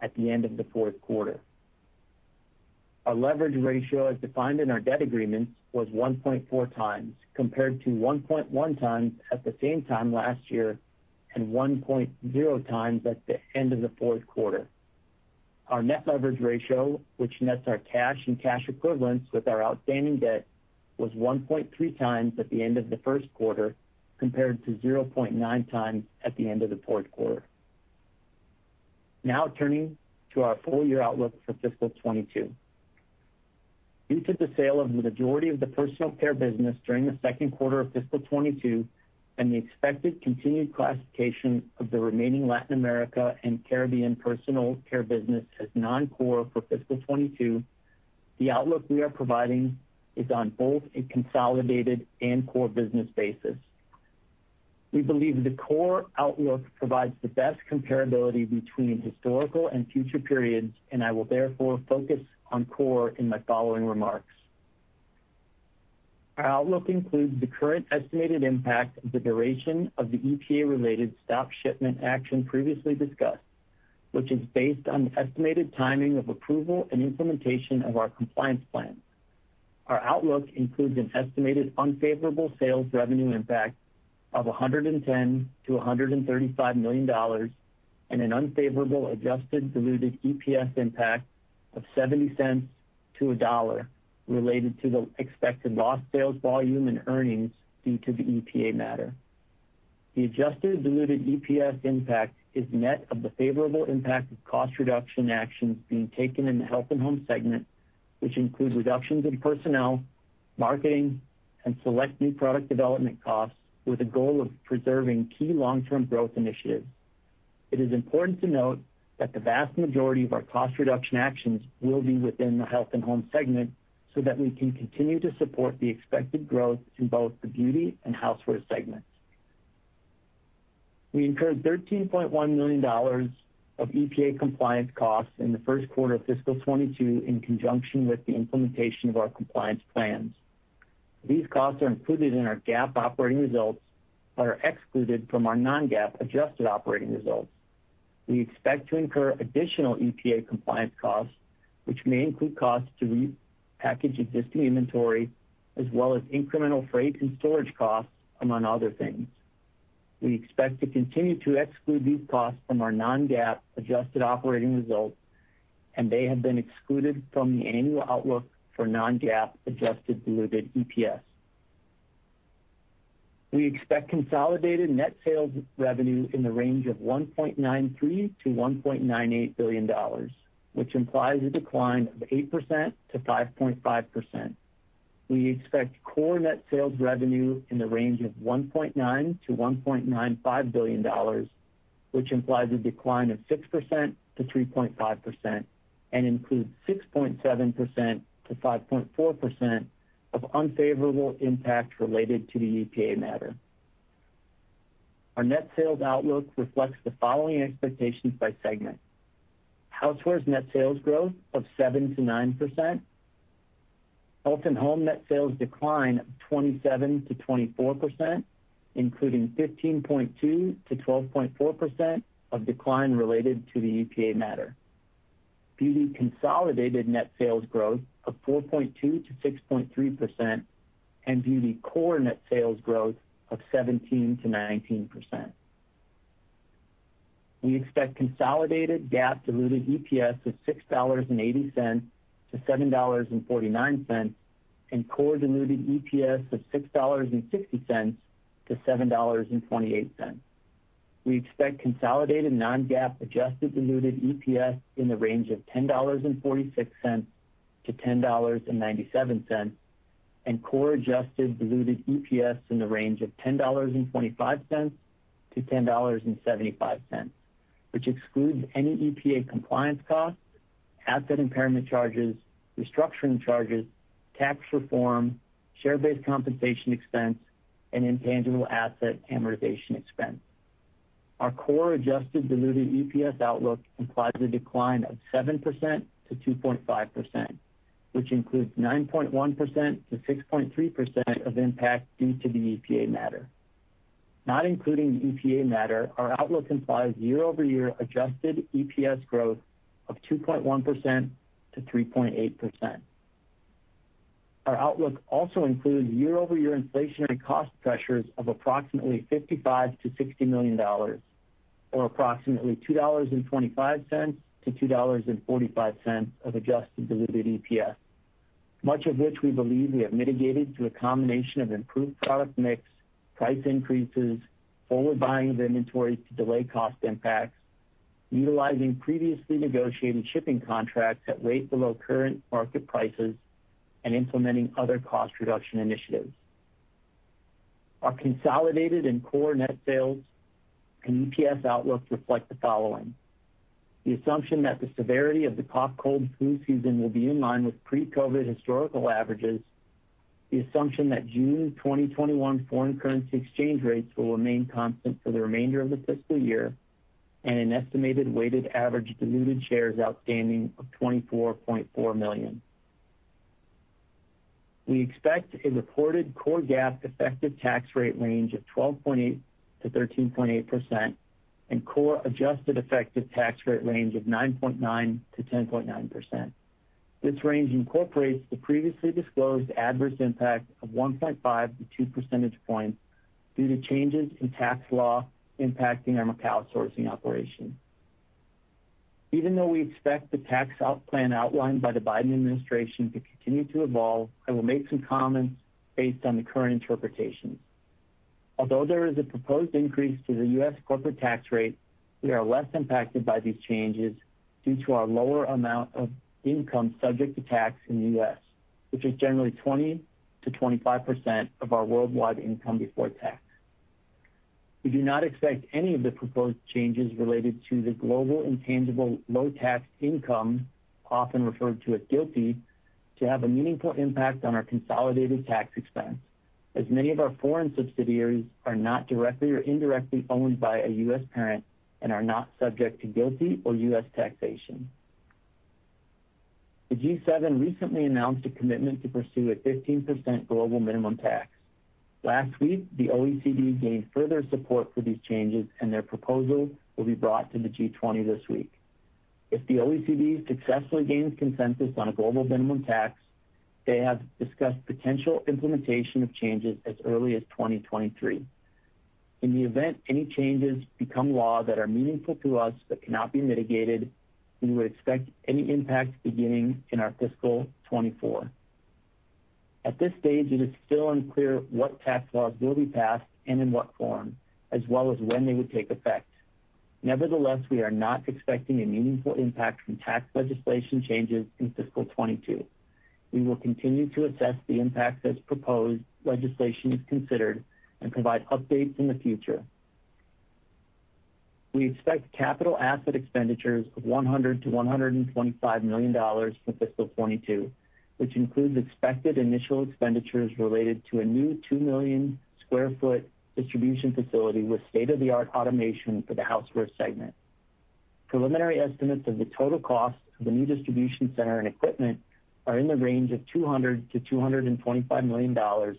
at the end of the fourth quarter. Our leverage ratio, as defined in our debt agreements, was 1.4x, compared to 1.1x at the same time last year and 1.0x at the end of the fourth quarter. Our net leverage ratio, which nets our cash and cash equivalents with our outstanding debt, was 1.3x at the end of the first quarter, compared to 0.9x at the end of the fourth quarter. Turning to our full-year outlook for fiscal 2022. Due to the sale of the majority of the personal care business during the second quarter of fiscal 2022 and the expected continued classification of the remaining Latin America and Caribbean personal care business as non-core for fiscal 2022, the outlook we are providing is on both a consolidated and core business basis. We believe the core outlook provides the best comparability between historical and future periods, I will therefore focus on core in my following remarks. Our outlook includes the current estimated impact of the duration of the EPA-related stop shipment action previously discussed, which is based on the estimated timing of approval and implementation of our compliance plans. Our outlook includes an estimated unfavorable sales revenue impact of $110 million-$135 million and an unfavorable adjusted diluted EPS impact of $0.70-$1.00 related to the expected lost sales volume and earnings due to the EPA matter. The adjusted diluted EPS impact is net of the favorable impact of cost reduction actions being taken in the health and home segment, which include reductions in personnel, marketing, and select new product development costs with the goal of preserving key long-term growth initiatives. It is important to note that the vast majority of our cost reduction actions will be within the Health and Home segment so that we can continue to support the expected growth in both the Beauty and Housewares segments. We incurred $13.1 million of EPA compliance costs in the first quarter of fiscal 2022 in conjunction with the implementation of our compliance plans. These costs are included in our GAAP operating results but are excluded from our non-GAAP adjusted operating results. We expect to incur additional EPA compliance costs, which may include costs to repackage existing inventory, as well as incremental freight and storage costs, among other things. We expect to continue to exclude these costs from our non-GAAP adjusted operating results, and they have been excluded from the annual outlook for non-GAAP adjusted diluted EPS. We expect consolidated net sales revenue in the range of $1.93 billion-$1.98 billion, which implies a decline of 8%-5.5%. We expect core net sales revenue in the range of $1.9 billion-$1.95 billion, which implies a decline of 6%-3.5%, and includes 6.7%-5.4% of unfavorable impacts related to the EPA matter. Our net sales outlook reflects the following expectations by segment. Housewares net sales growth of 7%-9%. Health and Home net sales decline of 27%-24%, including 15.2%-12.4% of decline related to the EPA matter. Beauty consolidated net sales growth of 4.2%-6.3%, and Beauty core net sales growth of 17%-19%. We expect consolidated GAAP diluted EPS of $6.80-$7.49, and core diluted EPS of $6.60-$7.28. We expect consolidated non-GAAP adjusted diluted EPS in the range of $10.46-$10.97, and core adjusted diluted EPS in the range of $10.25-$10.75, which excludes any EPA compliance costs, asset impairment charges, restructuring charges, tax reform, share-based compensation expense, and intangible asset amortization expense. Our core adjusted diluted EPS outlook implies a decline of 7%-2.5%, which includes 9.1%-6.3% of impact due to the EPA matter. Not including the EPA matter, our outlook implies year-over-year adjusted EPS growth of 2.1%-3.8%. Our outlook also includes year-over-year inflationary cost pressures of approximately $55 million-$60 million, or approximately $2.25-$2.45 of adjusted diluted EPS. Much of which we believe we have mitigated through a combination of improved product mix, price increases, slower buying of inventories to delay cost impacts, utilizing previously negotiated shipping contracts at rates below current market prices, and implementing other cost reduction initiatives. Our consolidated and core net sales and EPS outlook reflect the following. The assumption that the severity of the cough, cold, and flu season will be in line with pre-COVID historical averages, the assumption that June 2021 foreign currency exchange rates will remain constant for the remainder of the fiscal year, and an estimated weighted average diluted shares outstanding of 24.4 million. We expect a reported core GAAP effective tax rate range of 12.8%-13.8%, and core adjusted effective tax rate range of 9.9%-10.9%. This range incorporates the previously disclosed adverse impact of 1.5 percentage point-2 percentage points due to changes in tax law impacting our Macau sourcing operations. Even though we expect the tax plan outlined by the Biden administration to continue to evolve, I will make some comments based on the current interpretation. Although there is a proposed increase to the U.S. corporate tax rate, we are less impacted by these changes due to our lower amount of income subject to tax in the U.S., which is generally 20%-25% of our worldwide income before tax. We do not expect any of the proposed changes related to the Global Intangible Low-Tax Income, often referred to as GILTI, to have a meaningful impact on our consolidated tax expense, as many of our foreign subsidiaries are not directly or indirectly owned by a US parent and are not subject to GILTI or US taxation. The G7 recently announced a commitment to pursue a 15% global minimum tax. Last week, the OECD gained further support for these changes, and their proposal will be brought to the G20 this week. If the OECD successfully gains consensus on a global minimum tax, they have discussed potential implementation of changes as early as 2023. In the event any changes become law that are meaningful to us that cannot be mitigated, we would expect any impact beginning in our fiscal 2024. At this stage, it is still unclear what tax laws will be passed and in what form, as well as when they would take effect. Nevertheless, we are not expecting a meaningful impact from tax legislation changes in fiscal 2022. We will continue to assess the impact as proposed legislation is considered and provide updates in the future. We expect capital asset expenditures of $100 million-$125 million for fiscal 2022, which includes expected initial expenditures related to a new 2-million-sq ft distribution facility with state-of-the-art automation for the Housewares Segment. Preliminary estimates of the total cost for the new distribution center and equipment are in the range of $200 million-$225 million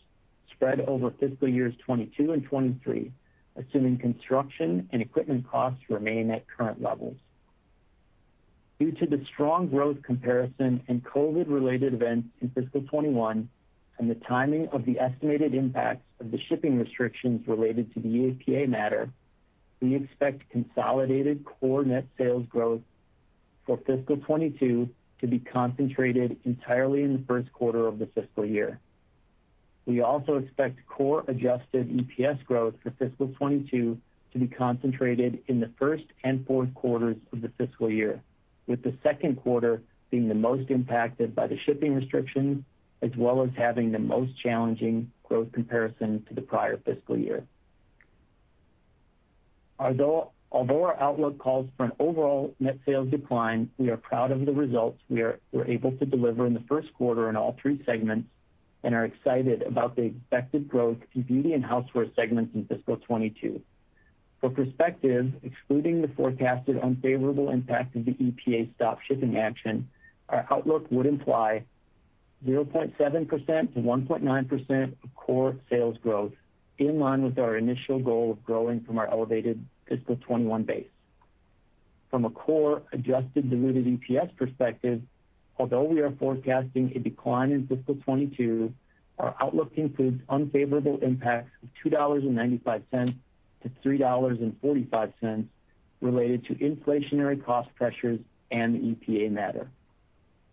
spread over fiscal years 2022 and 2023, assuming construction and equipment costs remain at current levels. Due to the strong growth comparison and COVID-related events in fiscal 2021 and the timing of the estimated impacts of the shipping restrictions related to the EPA matter, we expect consolidated core net sales growth for fiscal 2022 to be concentrated entirely in the first quarter of the fiscal year. We also expect core adjusted EPS growth for fiscal 2022 to be concentrated in the first and fourth quarters of the fiscal year. With the second quarter being the most impacted by the shipping restrictions, as well as having the most challenging growth comparison to the prior fiscal year. Although our outlook calls for an overall net sales decline, we are proud of the results we are able to deliver in the first quarter in all 3 segments, and are excited about the expected growth in Beauty and Housewares segments in fiscal 2022. For perspective, excluding the forecasted unfavorable impact of the EPA stop shipping action, our outlook would imply 0.7%-1.9% of core sales growth, in line with our initial goal of growing from our elevated fiscal 2021 base. From a core adjusted diluted EPS perspective, although we are forecasting a decline in fiscal 2022, our outlook includes unfavorable impacts of $2.95-$3.45 related to inflationary cost pressures and EPA matter.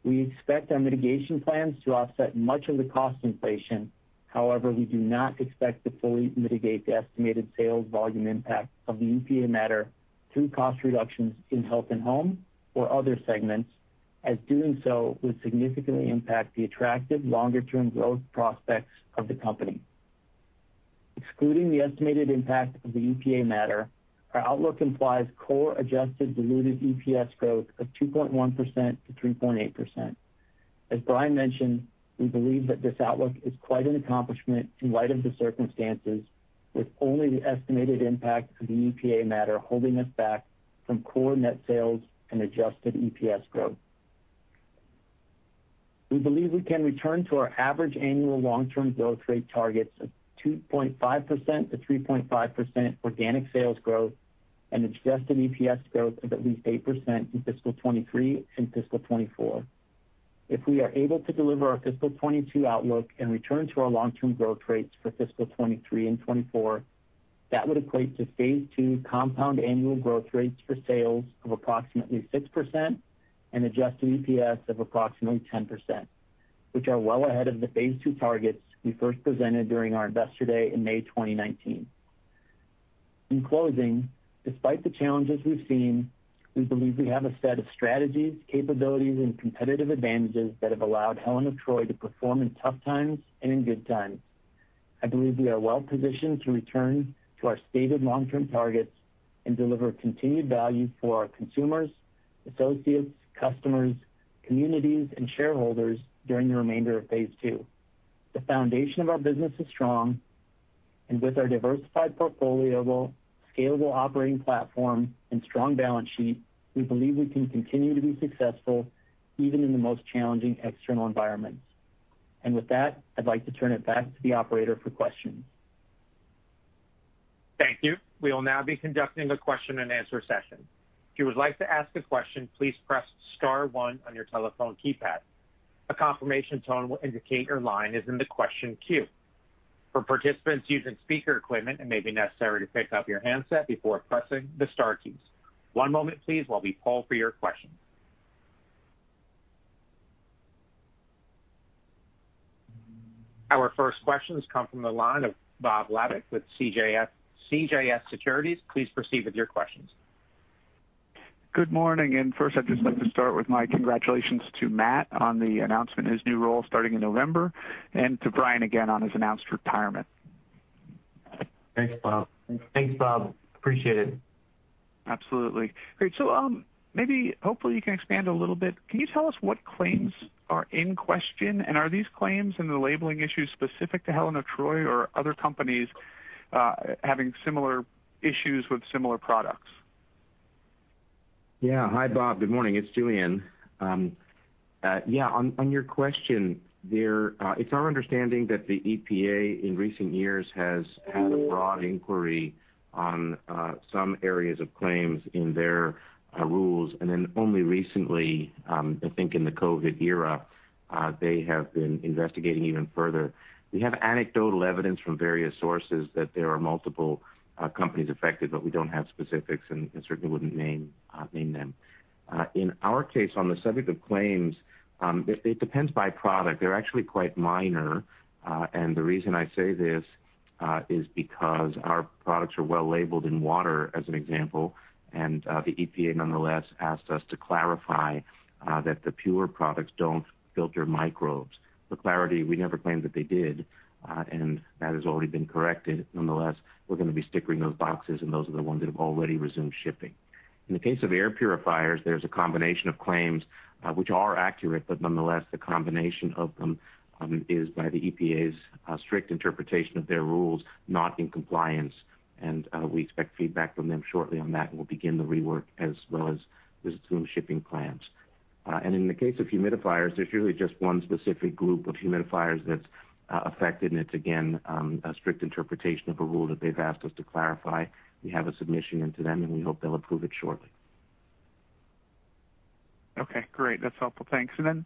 We expect our mitigation plans to offset much of the cost inflation. However, we do not expect to fully mitigate the estimated sales volume impact of the EPA matter through cost reductions in Health and Home or other segments, as doing so would significantly impact the attractive longer-term growth prospects of the company. Excluding the estimated impact of the EPA matter, our outlook implies core adjusted diluted EPS growth of 2.1%-3.8%. As Brian mentioned, we believe that this outlook is quite an accomplishment in light of the circumstances, with only the estimated impact of the EPA matter holding us back from core net sales and adjusted EPS growth. We believe we can return to our average annual long-term growth rate targets of 2.5%-3.5% organic sales growth and adjusted EPS growth of at least 8% in fiscal 2023 and fiscal 2024. If we are able to deliver our fiscal 2022 outlook and return to our long-term growth rates for fiscal 2023 and 2024, that would equate to phase II compound annual growth rates for sales of approximately 6% and adjusted EPS of approximately 10%, which are well ahead of the phase II targets we first presented during our Investor Day in May 2019. In closing, despite the challenges we've seen, we believe we have a set of strategies, capabilities, and competitive advantages that have allowed Helen of Troy to perform in tough times and in good times. I believe we are well-positioned to return to our stated long-term targets and deliver continued value for our consumers, associates, customers, communities, and shareholders during the remainder of phase II. The foundation of our business is strong, and with our diversified portfolio, scalable operating platform, and strong balance sheet, we believe we can continue to be successful even in the most challenging external environments. With that, I'd like to turn it back to the operator for questions. Our first question comes from the line of Bob Labick with CJS Securities. Please proceed with your questions. Good morning, first, I'd just like to start with my congratulations to Matt on the announcement of his new role starting in November, and to Brian again on his announced retirement. Thanks, Bob. Appreciate it. Absolutely. Great. Maybe, hopefully you can expand a little bit. Can you tell us what claims are in question? Are these claims and the labeling issues specific to Helen of Troy or are other companies having similar issues with similar products? Hi, Bob. Good morning. It's Julien. On your question, it's our understanding that the EPA in recent years has had a broad inquiry on some areas of claims in their rules, and then only recently, I think in the COVID era, they have been investigating even further. We have anecdotal evidence from various sources that there are multiple companies affected, but we don't have specifics and certainly wouldn't name them. In our case, on the subject of claims, it depends by product. They're actually quite minor. The reason I say this is because our products are well labeled in water, as an example, and the EPA nonetheless asked us to clarify that the PUR products don't filter microbes. For clarity, we never claimed that they did, and that has already been corrected. Nonetheless, we're going to be stickering those boxes, and those are the ones that have already resumed shipping. In the case of air purifiers, there's a combination of claims which are accurate, but nonetheless, the combination of them is by the EPA's strict interpretation of their rules, not in compliance, and we expect feedback from them shortly on that and we'll begin the rework as well as resume shipping claims. In the case of humidifiers, there's really just one specific group of humidifiers that's affected, and it's again, a strict interpretation of a rule that they've asked us to clarify. We have a submission into them, and we hope they'll approve it shortly. Okay, great. That's helpful. Thanks. Then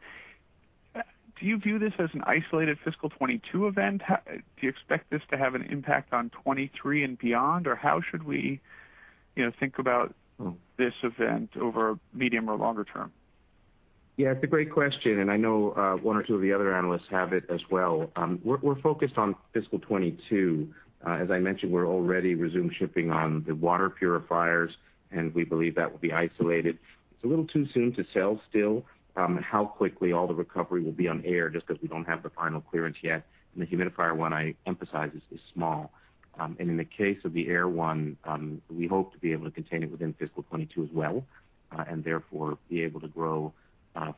do you view this as an isolated fiscal 2022 event? Do you expect this to have an impact on 2023 and beyond? How should we think about this event over medium or longer term? Yeah, it's a great question, and I know one or two of the other analysts have it as well. We're focused on fiscal 2022. As I mentioned, we're already resumed shipping on the water purifiers, and we believe that will be isolated. It's a little too soon to tell still how quickly all the recovery will be on air, just because we don't have the final clearance yet. The humidifier one, I emphasize, is small. In the case of the air one, we hope to be able to contain it within fiscal 2022 as well, and therefore be able to grow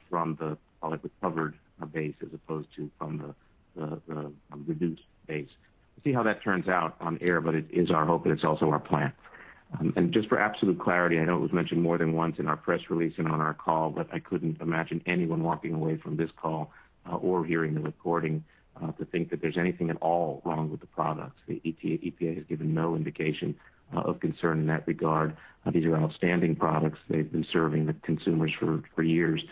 from the recovered base as opposed to from the reduced base. We'll see how that turns out on air, but it is our hope and it's also our plan. Just for absolute clarity, I know it was mentioned more than once in our press release and on our call, but I couldn't imagine anyone walking away from this call or hearing the recording to think that there's anything at all wrong with the products. The EPA has given no indication of concern in that regard. These are outstanding products. They've been serving the consumers for years.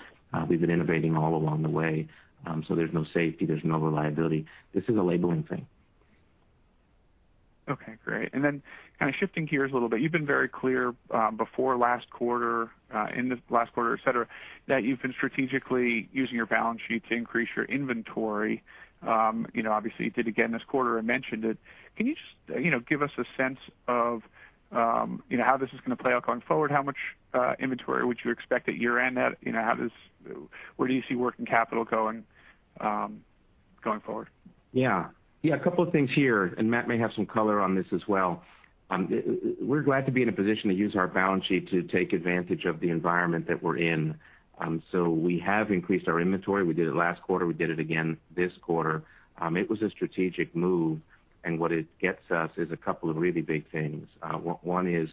We've been innovating all along the way. There's no safety, there's no reliability. This is a labeling thing. Okay, great. Shifting gears a little bit, you've been very clear before last quarter, in this last quarter, et cetera, that you've been strategically using your balance sheet to increase your inventory. Obviously you did again this quarter and mentioned it. Can you give us a sense of how this is going to play out going forward? How much inventory would you expect at year-end? Where do you see working capital going forward? Yeah. A couple of things here, and Matt may have some color on this as well. We're glad to be in a position to use our balance sheet to take advantage of the environment that we're in. We have increased our inventory. We did it last quarter, we did it again this quarter. It was a strategic move, and what it gets us is a couple of really big things. One is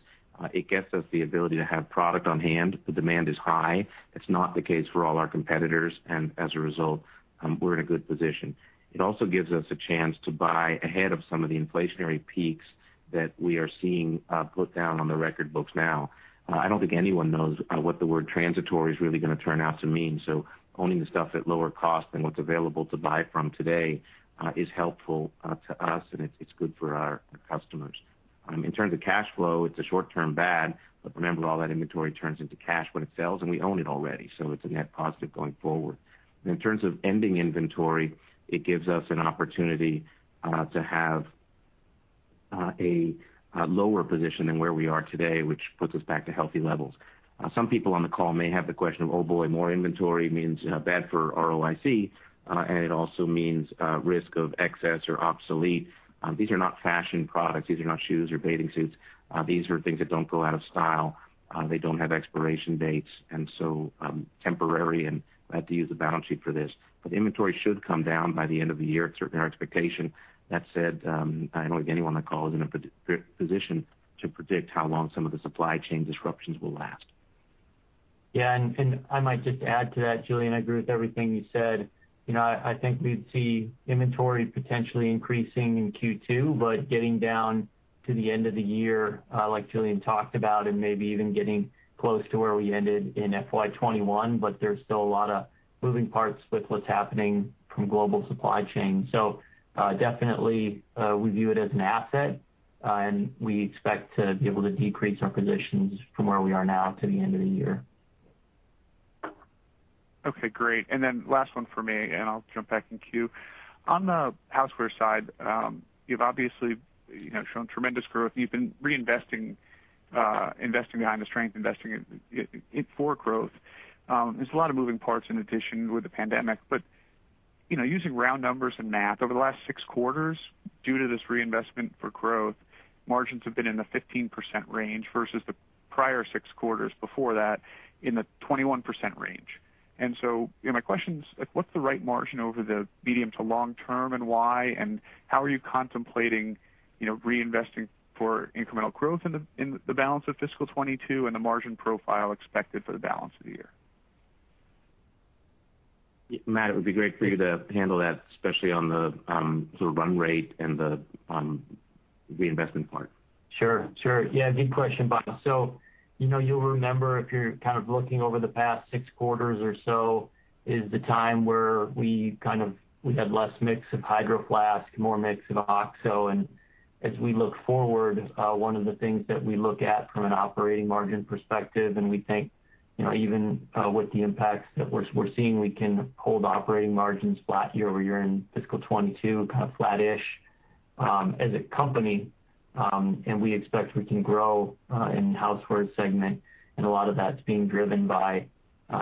it gets us the ability to have product on hand. The demand is high. It's not the case for all our competitors, and as a result, we're in a good position. It also gives us a chance to buy ahead of some of the inflationary peaks that we are seeing put down on the record books now. I don't think anyone knows what the word transitory is really going to turn out to mean. Owning stuff at lower cost than what's available to buy from today is helpful to us and it's good for our customers. In terms of cash flow, it's a short-term bad, but remember, all that inventory turns into cash when it sells and we own it already, it's a net positive going forward. In terms of ending inventory, it gives us an opportunity to have a lower position than where we are today, which puts us back to healthy levels. Some people on the call may have the question, "Oh boy. More inventory means bad for ROIC, and it also means risk of excess or obsolete." These are not fashion products. These are not shoes or bathing suits. These are things that don't go out of style. They don't have expiration dates. Temporary, and we have to use the balance sheet for this. Inventory should come down by the end of the year. It's our expectation. That said, I don't think anyone on the call is in a position to predict how long some of the supply chain disruptions will last. Yeah, I might just add to that, Julien, I agree with everything you said. I think we'd see inventory potentially increasing in Q2, but getting down to the end of the year, like Julien talked about, and maybe even getting close to where we ended in FY 2021. There's still a lot of moving parts with what's happening from global supply chain. Definitely, we view it as an asset, and we expect to be able to decrease our positions from where we are now to the end of the year. Okay, great. Last one from me, and I'll jump back in queue. On the Housewares side, you've obviously shown tremendous growth. You've been reinvesting, investing behind the strength, investing for growth. There's a lot of moving parts in addition with the pandemic. Using round numbers and math, over the last six quarters, due to this reinvestment for growth, margins have been in the 15% range versus the prior six quarters before that in a 21% range. My question is, what's the right margin over the medium to long term, and why? How are you contemplating reinvesting for incremental growth in the balance of fiscal 2022 and the margin profile expected for the balance of the year? Matt, it would be great for you to handle that, especially on the sort of run rate and the investment part. Sure. Yeah, good question, Bob. You'll remember if you're kind of looking over the past six quarters or so is the time where we had less mix of Hydro Flask, more mix of OXO. As we look forward, one of the things that we look at from an operating margin perspective, and we think even with the impacts that we're seeing, we can hold operating margins flat year-over-year in fiscal 2022, kind of flat-ish as a company. We expect we can grow in the Housewares segment. A lot of that's being driven by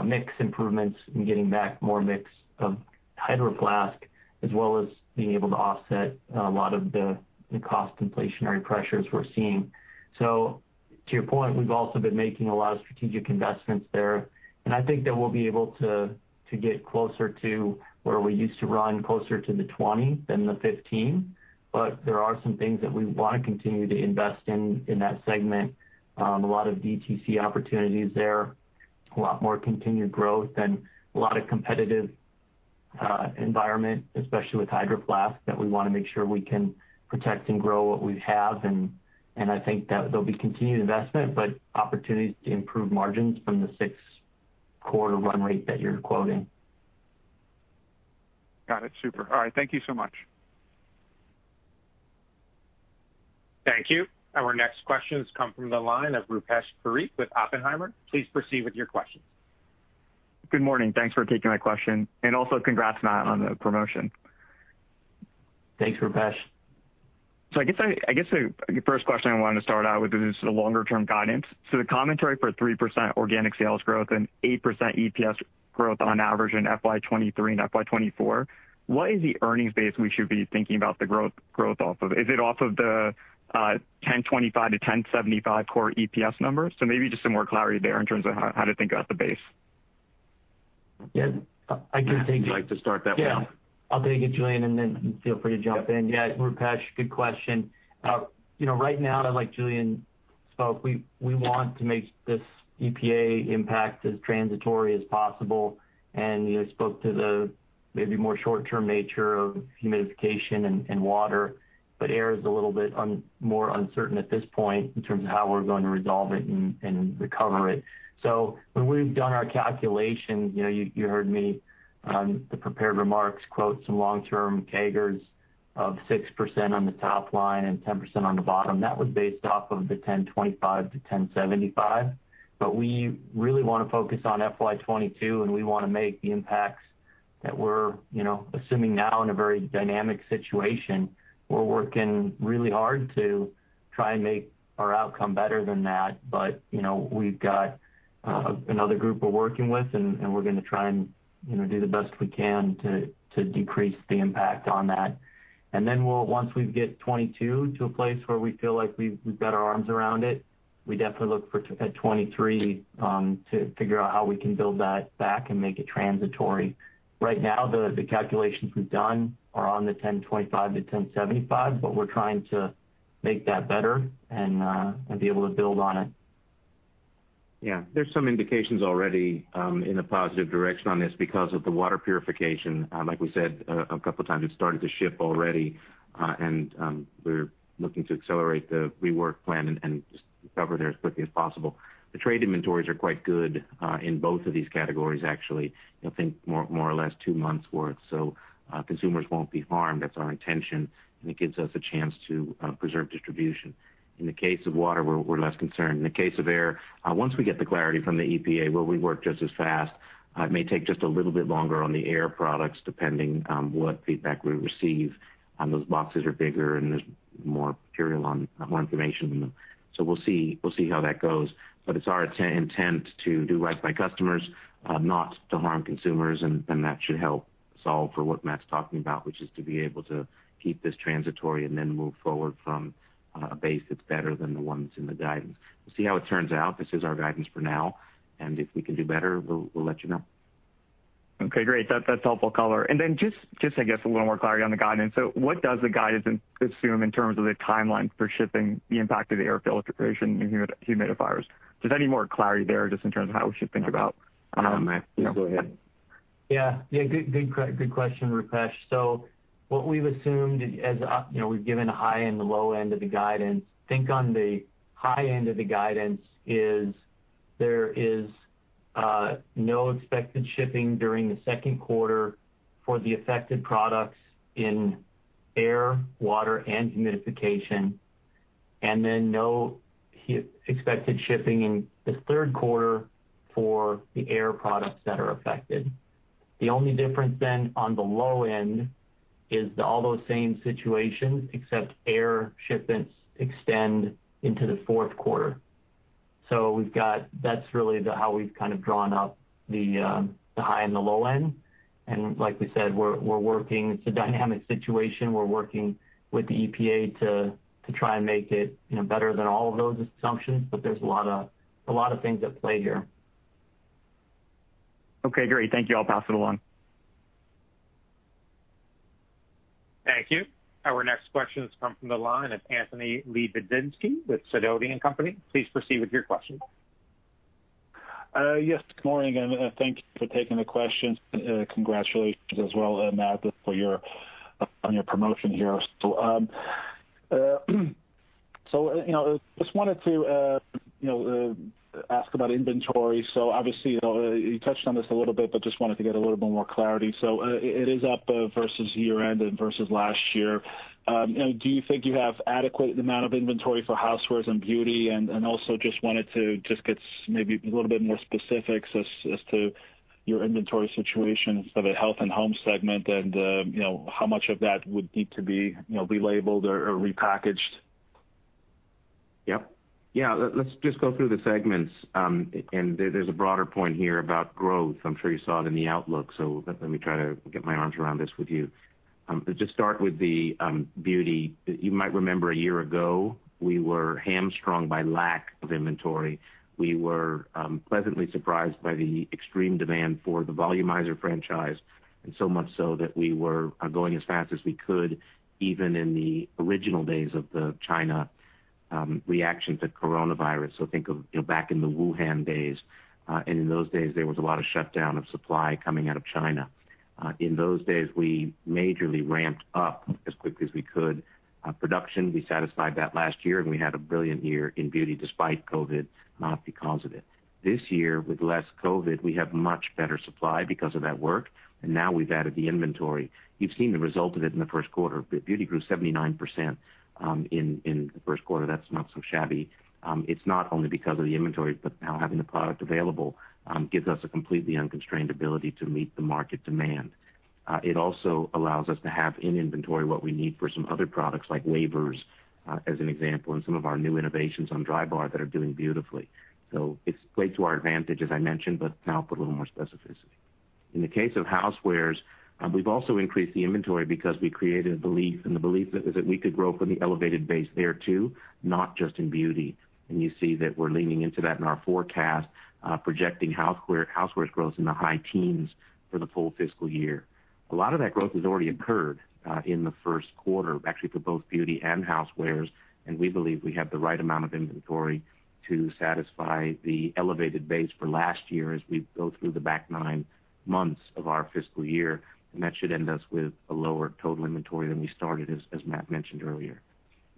mix improvements and getting back more mix of Hydro Flask, as well as being able to offset a lot of the cost inflationary pressures we're seeing. To your point, we've also been making a lot of strategic investments there. I think that we'll be able to get closer to where we used to run closer to the 20% than the 15%. There are some things that we want to continue to invest in in that segment. A lot of DTC opportunities there, a lot more continued growth and a lot of competitive environment, especially with Hydro Flask, that we want to make sure we can protect and grow what we have. I think that there'll be continued investment, but opportunities to improve margins from the six-quarter run rate that you're quoting. Got it. Super. All right. Thank you so much. Thank you. Our next question has come from the line of Rupesh Parikh with Oppenheimer. Please proceed with your question. Good morning. Thanks for taking my question, and also congrats, Matt, on the promotion. Thanks, Rupesh. I guess the first question I want to start out with is just the longer-term guidance. The commentary for 3% organic sales growth and 8% EPS growth on average in FY 2023 and FY 2024, what is the earnings base we should be thinking about the growth off of? Is it off of the $10.25-$10.75 core EPS number? Maybe just some more clarity there in terms of how to think about the base. Yes, I can. Would you like to start that, Matt? Yeah. I'll take it, Julien, and then feel free to jump in. Yeah, Rupesh, good question. Right now, like Julien spoke, we want to make this EPA impact as transitory as possible, and you spoke to the maybe more short-term nature of humidification and water, but air is a little bit more uncertain at this point in terms of how we're going to resolve it and recover it. When we've done our calculations, you heard me on the prepared remarks quote some long-term CAGRs of 6% on the top line and 10% on the bottom. That was based off of the $10.25-$10.75. We really want to focus on FY 2022, and we want to make the impacts that we're assuming now in a very dynamic situation. We're working really hard to try and make our outcome better than that. We've got another group we're working with, and we're going to try and do the best we can to decrease the impact on that. Once we get 2022 to a place where we feel like we've got our arms around it, we definitely look at 2023 to figure out how we can build that back and make it transitory. Right now, though, the calculations we've done are on the $10.25-$10.75, but we're trying to make that better and be able to build on it. Yeah, there's some indications already in the positive direction on this because of the water purification, like we said a couple of times, it's starting to ship already, and we're looking to accelerate the rework plan and just recover there as quickly as possible. The trade inventories are quite good in both of these categories, actually. I think more or less two months' worth. Consumers won't be harmed. That's our intention, and it gives us a chance to preserve distribution. In the case of water, we're less concerned. In the case of air, once we get the clarity from the EPA, where we work just as fast, it may take just a little bit longer on the air products, depending on what feedback we receive. Those boxes are bigger, and there's more material, a lot more information in them. We'll see how that goes. It's our intent to do right by customers, not to harm consumers, and that should help solve for what Matt's talking about, which is to be able to keep this transitory and then move forward from a base that's better than the ones in the guidance. We'll see how it turns out. This is our guidance for now, and if we can do better, we'll let you know. Okay, great. That's helpful color. Just I guess a little more clarity on the guidance. What does the guidance assume in terms of the timeline for shipping the impacted air filtration and humidifiers? Is there any more clarity there just in terms of how we should think about. No, Matt, you go ahead. Yeah. Good question, Rupesh. What we've assumed as we've given a high and the low end of the guidance, think on the high end of the guidance is there is no expected shipping during the second quarter for the affected products in air, water, and humidification, and no expected shipping in the third quarter for the air products that are affected. The only difference on the low end is all those same situations, except air shipments extend into the fourth quarter. That's really how we've kind of drawn up the high and the low end. Like we said, it's a dynamic situation. We're working with the EPA to try and make it better than all of those assumptions, but there's a lot of things at play here. Okay, great. Thank you. I'll pass it along. Thank you. Our next question has come from the line of Anthony Lebiedzinski with Sidoti & Company. Please proceed with your question. Yes, good morning, and thank you for taking the question. Congratulations as well, Matt, for your promotion here. Just wanted to ask about inventory. Obviously, you touched on this a little bit, but just wanted to get a little bit more clarity. It is up versus year end and versus last year. Do you think you have adequate amount of inventory for housewares and beauty? Also just wanted to get maybe a little bit more specifics as to your inventory situation for the health and home segment and how much of that would need to be labeled or repackaged. Yep. Yeah, let's just go through the segments. There's a broader point here about growth. I'm sure you saw it in the outlook. Let me try to get my arms around this with you. To start with the Beauty, you might remember a year ago, we were hamstrung by lack of inventory. So much so that we were going as fast as we could even in the original days of the China reaction to coronavirus. Think of back in the Wuhan days, and in those days, there was a lot of shutdown of supply coming out of China. In those days, we majorly ramped up as quick as we could. Production, we satisfied that last year, and we had a brilliant year in Beauty despite COVID, not because of it. This year, with less COVID, we have much better supply because of that work, and now we've added the inventory. You've seen the result of it in the first quarter. Beauty grew 79% in the first quarter. That's not so shabby. It's not only because of the inventory, but now having the product available gives us a completely unconstrained ability to meet the market demand. It also allows us to have in inventory what we need for some other products like wavers, as an example, and some of our new innovations on Drybar that are doing beautifully. It's played to our advantage, as I mentioned, but now put a little more specificity. In the case of housewares, we've also increased the inventory because we created a belief, and the belief is that we could grow from the elevated base there, too, not just in beauty. You see that we're leaning into that in our forecast, projecting Housewares growth in the high teens for the full fiscal year. A lot of that growth has already occurred in the first quarter, actually for both Beauty and Housewares, and we believe we have the right amount of inventory to satisfy the elevated base for last year as we go through the back nine months of our fiscal year. That should end us with a lower total inventory than we started, as Matt mentioned earlier.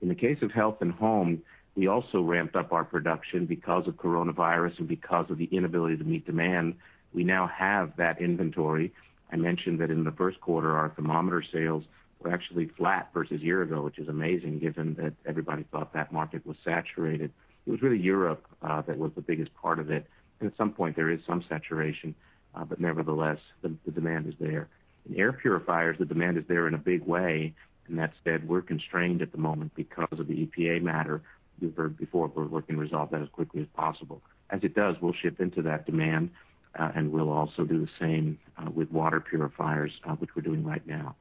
In the case of Health & Home, we also ramped up our production because of coronavirus and because of the inability to meet demand. We now have that inventory. I mentioned that in the first quarter, our thermometer sales were actually flat versus a year ago, which is amazing given that everybody thought that market was saturated. It was really Europe that was the biggest part of it. At some point, there is some saturation. Nevertheless, the demand is there. In air purifiers, the demand is there in a big way. That said, we're constrained at the moment because of the EPA matter we've heard before. We're looking to resolve that as quickly as possible. As it does, we'll ship into that demand. We'll also do the same with water purifiers, which we're doing right now.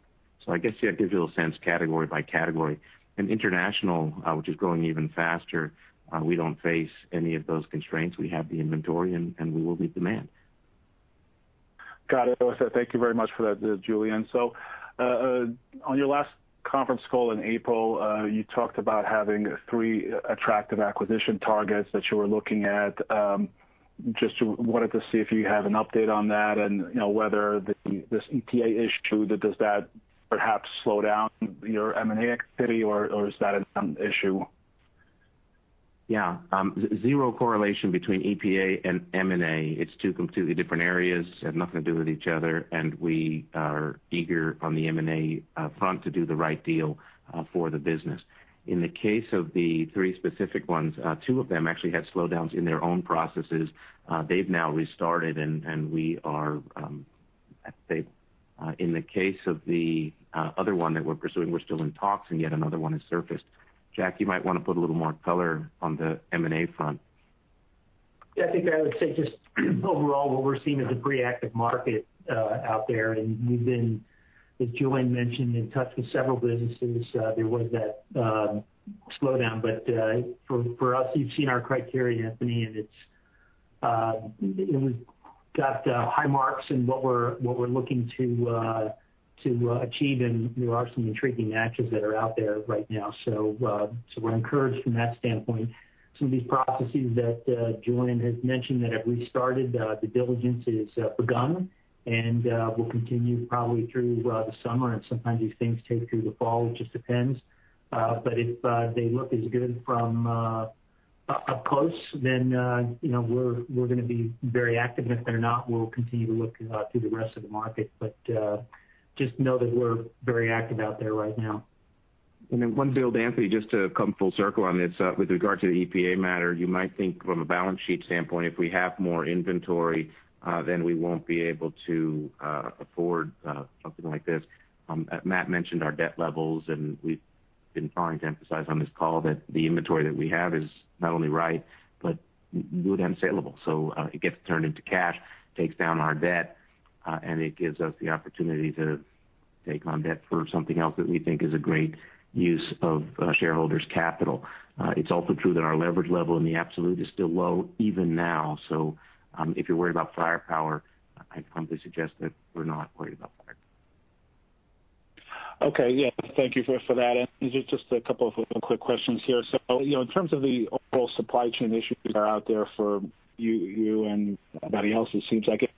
I guess you have to do a sense category by category. In international, which is growing even faster, we don't face any of those constraints. We have the inventory. We will meet demand. Got it. Thank you very much for that, Julien. On your last conference call in April, you talked about having three attractive acquisition targets that you were looking at. Just wanted to see if you have an update on that and whether this EPA issue, does that perhaps slow down your M&A activity, or is that a non-issue? Yeah. 0 correlation between EPA and M&A. It's two completely different areas, have nothing to do with each other, and we are eager on the M&A front to do the right deal for the business. In the case of the three specific ones, two of them actually had slowdowns in their own processes. They've now restarted, and we are, I'd say, in the case of the other one that we're pursuing, we're still in talks, and yet another one has surfaced. Jack, you might want to put a little more color on the M&A front. I think I would say just overall, what we're seeing is a pretty active market out there, and we've been, as Julien mentioned, in touch with several businesses. There was that slowdown. For us, you've seen our criteria, Anthony. We've got high marks in what we're looking to achieve. There are some intriguing actors that are out there right now. We're encouraged from that standpoint. Some of these processes that Julien has mentioned that have restarted, the diligence has begun. Will continue probably through the summer. Sometimes these things take through the fall. It just depends. If they look as good from up close, we're going to be very active. If they're not, we'll continue to look through the rest of the market. Just know that we're very active out there right now. One build, Anthony, just to come full circle on this. With regard to the EPA matter, you might think from a balance sheet standpoint, if we have more inventory, then we won't be able to afford something like this. Matt mentioned our debt levels, and we've been trying to emphasize on this call that the inventory that we have is not only right, but good and saleable. It gets turned into cash, takes down our debt, and it gives us the opportunity to take on debt for something else that we think is a great use of shareholders' capital. It's also true that our leverage level in the absolute is still low even now. If you're worried about firepower, I'd humbly suggest that we're not worried about firepower. Okay. Yeah. Thank you for that. Just a couple of quick questions here. In terms of the overall supply chain issues that are out there for you and everybody else, it seems like it.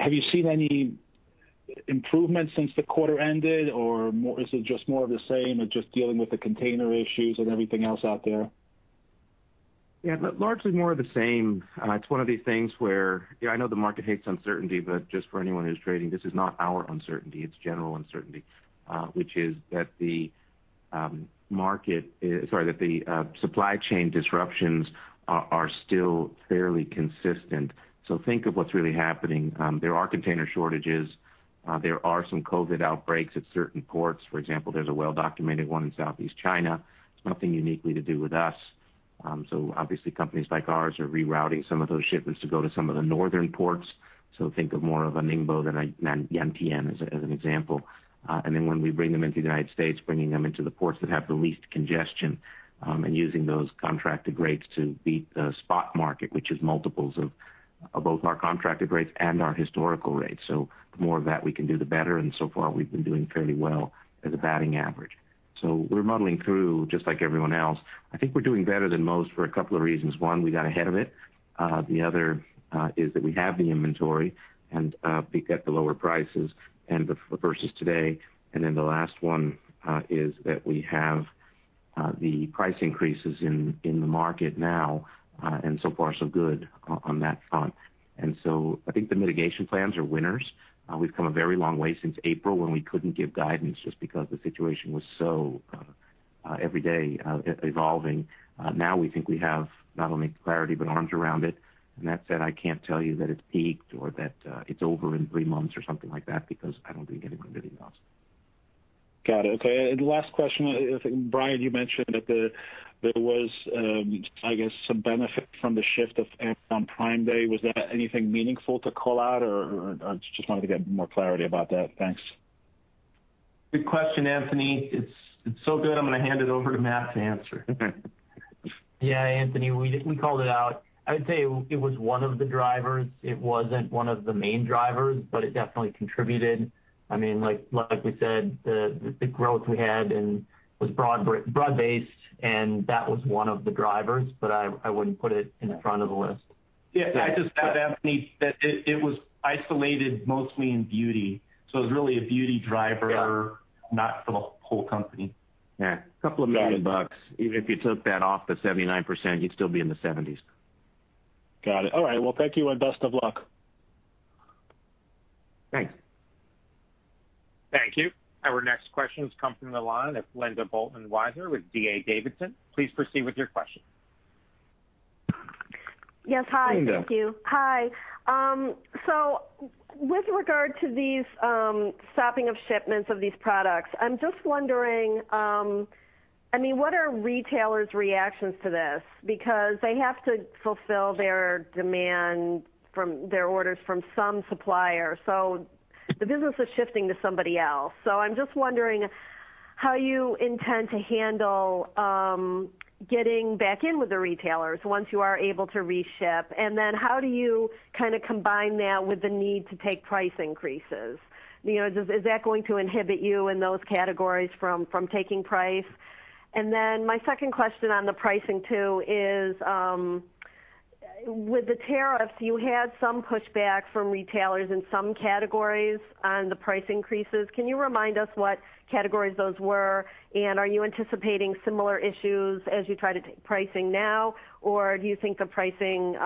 Have you seen any improvement since the quarter ended, or is it just more of the same of just dealing with the container issues and everything else out there? Yeah, largely more of the same. It's one of these things where I know the market hates uncertainty, but just for anyone who's trading, this is not our uncertainty, it's general uncertainty, which is that the supply chain disruptions are still fairly consistent. Think of what's really happening. There are container shortages. There are some COVID outbreaks at certain ports. For example, there's a well-documented one in Southeast China, nothing uniquely to do with us. Obviously, companies like ours are rerouting some of those shipments to go to some of the northern ports. Think of more of a Ningbo than Yantian as an example. When we bring them into the United States, bringing them into the ports that have the least congestion, and using those contracted rates to beat the spot market, which is multiples of both our contracted rates and our historical rates. The more of that we can do, the better, and so far, we've been doing fairly well as a batting average. We're muddling through, just like everyone else. I think we're doing better than most for a couple of reasons. One, we got ahead of it. The other is that we have the inventory, and we got the lower prices versus today. The last one is that we have the price increases in the market now, and so far, so good on that front. I think the mitigation plans are winners. We've come a very long way since April when we couldn't give guidance just because the situation was so every day evolving. Now we think we have not only clarity but arms around it. That said, I can't tell you that it's peaked or that it's over in three months or something like that, because I don't think anybody knows. Got it. Okay. Last question. Brian, you mentioned that there was, I guess, some benefit from the shift of Amazon Prime Day. Was that anything meaningful to call out or I just want to get more clarity about that? Thanks. Good question, Anthony. It's so good, I'm going to hand it over to Matt to answer. Yeah, Anthony, we called it out. I'd say it was one of the drivers. It wasn't one of the main drivers, but it definitely contributed. Like we said, the growth we had was broad-based, and that was one of the drivers, but I wouldn't put it in front of the list. Yeah. I just add, Anthony, that it was isolated mostly in beauty. It was really a beauty driver, not the whole company. Yeah. $2 million. Even if you took that off the 79%, you'd still be in the 70s. Got it. All right, well, thank you and best of luck. Thanks. Thank you. Our next question is coming from the line of Linda Bolton Weiser with D.A. Davidson. Please proceed with your question. Yes. Hi. Thank you. Hi. With regard to these stopping of shipments of these products, I'm just wondering, what are retailers' reactions to this? Because they have to fulfill their demand from their orders from some supplier. The business is shifting to somebody else. I'm just wondering how you intend to handle getting back in with the retailers once you are able to reship, and then how do you combine that with the need to take price increases? Is that going to inhibit you in those categories from taking price? My second question on the pricing too is, with the tariffs, you had some pushback from retailers in some categories on the price increases. Can you remind us what categories those were? Are you anticipating similar issues as you try to take pricing now? Do you think the pricing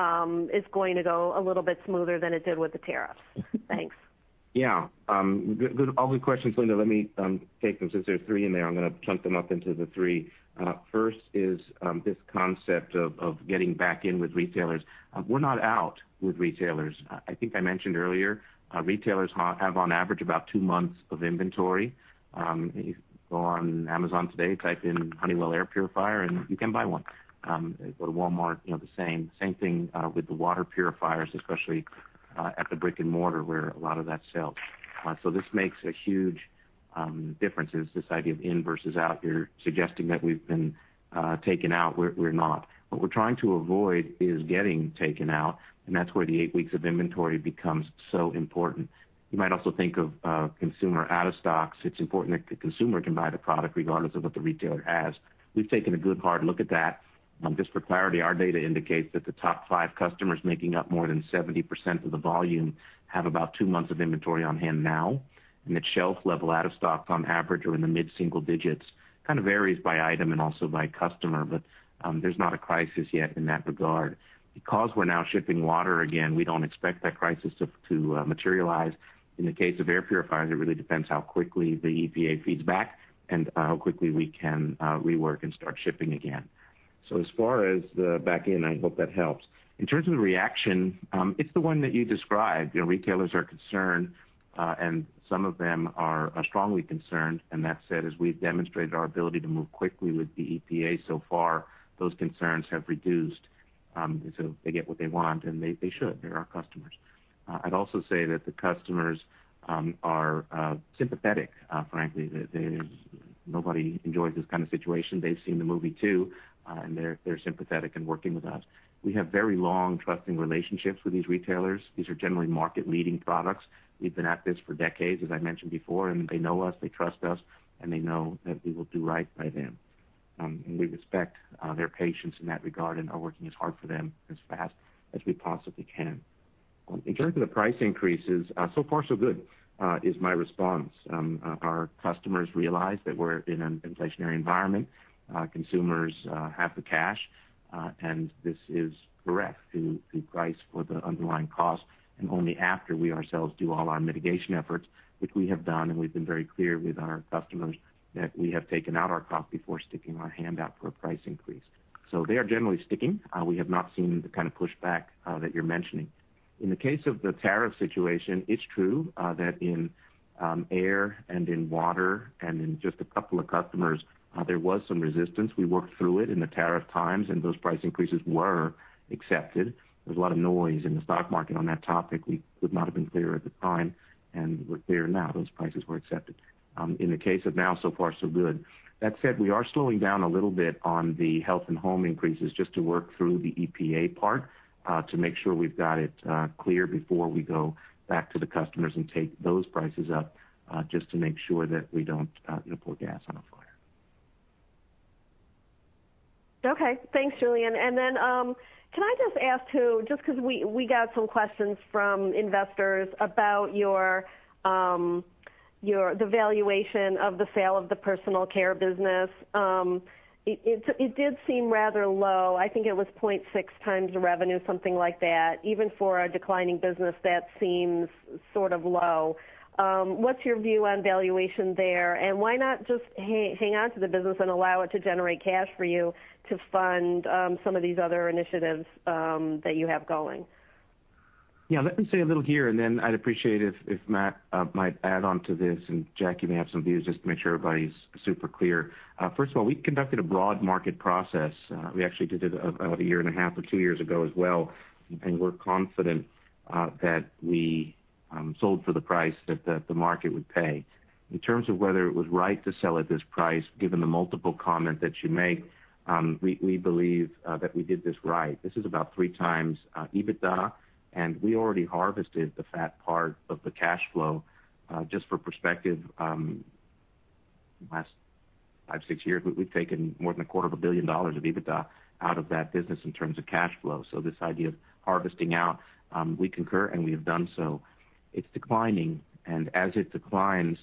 is going to go a little bit smoother than it did with the tariffs? Thanks. All good questions, Linda. Let me take them since there's three in there. I'm going to chunk them up into the three. First is this concept of getting back in with retailers. We're not out with retailers. I think I mentioned earlier, retailers have on average about two months of inventory. If you go on Amazon today, type in Honeywell air purifier, you can buy one. At Walmart, the same. Same thing with the water purifiers, especially at the brick-and-mortar where a lot of that sells. This makes a huge difference is this idea of in versus out here suggesting that we've been taken out. We're not. What we're trying to avoid is getting taken out, that's why the eight weeks of inventory becomes so important. You might also think of consumer out of stocks. It's important that the consumer can buy the product regardless of what the retailer has. We've taken a good hard look at that. Just for clarity, our data indicates that the top five customers making up more than 70% of the volume have about two months of inventory on hand now. At shelf level, out of stocks on average are in the mid-single digits. Kind of varies by item and also by customer, but there's not a crisis yet in that regard. Because we're now shipping water again, we don't expect that crisis to materialize. In the case of air purifiers, it really depends how quickly the EPA feeds back and how quickly we can rework and start shipping again. As far as the back in, I hope that helps. In terms of the reaction, it's the one that you described. Retailers are concerned, and some of them are strongly concerned, and that said, as we've demonstrated our ability to move quickly with the EPA so far, those concerns have reduced. They get what they want, and they should. They're our customers. I'd also say that the customers are sympathetic, frankly. Nobody enjoys this kind of situation. They've seen the movie too, and they're sympathetic in working with us. We have very long, trusting relationships with these retailers. These are generally market-leading products. We've been at this for decades, as I mentioned before, and they know us, they trust us, and they know that we will do right by them. We respect their patience in that regard and are working as hard for them as fast as we possibly can. In terms of the price increases, so far so good is my response. Our customers realize that we're in an inflationary environment. Consumers have the cash. This is correct to price for the underlying cost and only after we ourselves do all our mitigation efforts, which we have done, and we've been very clear with our customers that we have taken out our cost before sticking our hand out for a price increase. They are generally sticking. We have not seen the kind of pushback that you're mentioning. In the case of the tariff situation, it's true that in air and in water and in just a couple of customers, there was some resistance. We worked through it in the tariff times, and those price increases were accepted. There was a lot of noise in the stock market on that topic. We could not have been clearer at the time, and we're clear now. Those prices were accepted. In the case of now, so far so good. That said, we are slowing down a little bit on the health and home increases just to work through the EPA part to make sure we've got it clear before we go back to the customers and take those prices up just to make sure that we don't pour gas on a fire. Okay. Thanks, Julien. Can I just ask too, just because we got some questions from investors about the valuation of the sale of the personal care business. It did seem rather low. I think it was 0.6x the revenue, something like that. Even for a declining business, that seems sort of low. What's your view on valuation there, and why not just hang on to the business and allow it to generate cash for you to fund some of these other initiatives that you have going? Yeah, let me say a little here, and then I'd appreciate if Matt Osberg might add on to this, and Jack Jancin may have some views, just to make sure everybody's super clear. First of all, we conducted a broad market process. We actually did it about a year and a half or two years ago as well. We're confident that we sold for the price that the market would pay. In terms of whether it was right to sell at this price, given the multiple comment that you make, we believe that we did this right. This is about 3x EBITDA. We already harvested the fat part of the cash flow. Just for perspective, last five, six years, we've taken more than a quarter of a billion dollars of EBITDA out of that business in terms of cash flow. This idea of harvesting out, we concur, and we have done so. It's declining, and as it declines,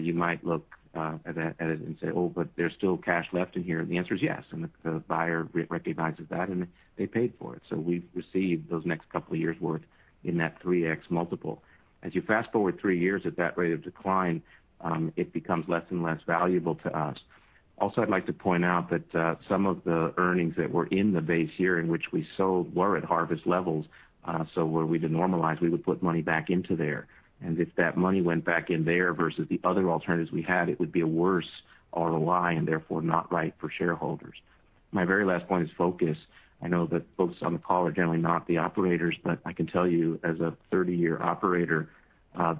you might look at it and say, "Oh, but there's still cash left in here." The answer is yes, and the buyer recognizes that, and they paid for it. We've received those next couple of years' worth in that 3x multiple. As you fast-forward three years at that rate of decline, it becomes less and less valuable to us. I'd like to point out that some of the earnings that were in the base here in which we sold were at harvest levels. Were we to normalize, we would put money back into there. If that money went back in there versus the other alternatives we had, it would be a worse ROI and therefore not right for shareholders. My very last point is focus. I know that folks on the call are generally not the operators, but I can tell you as a 30-year operator,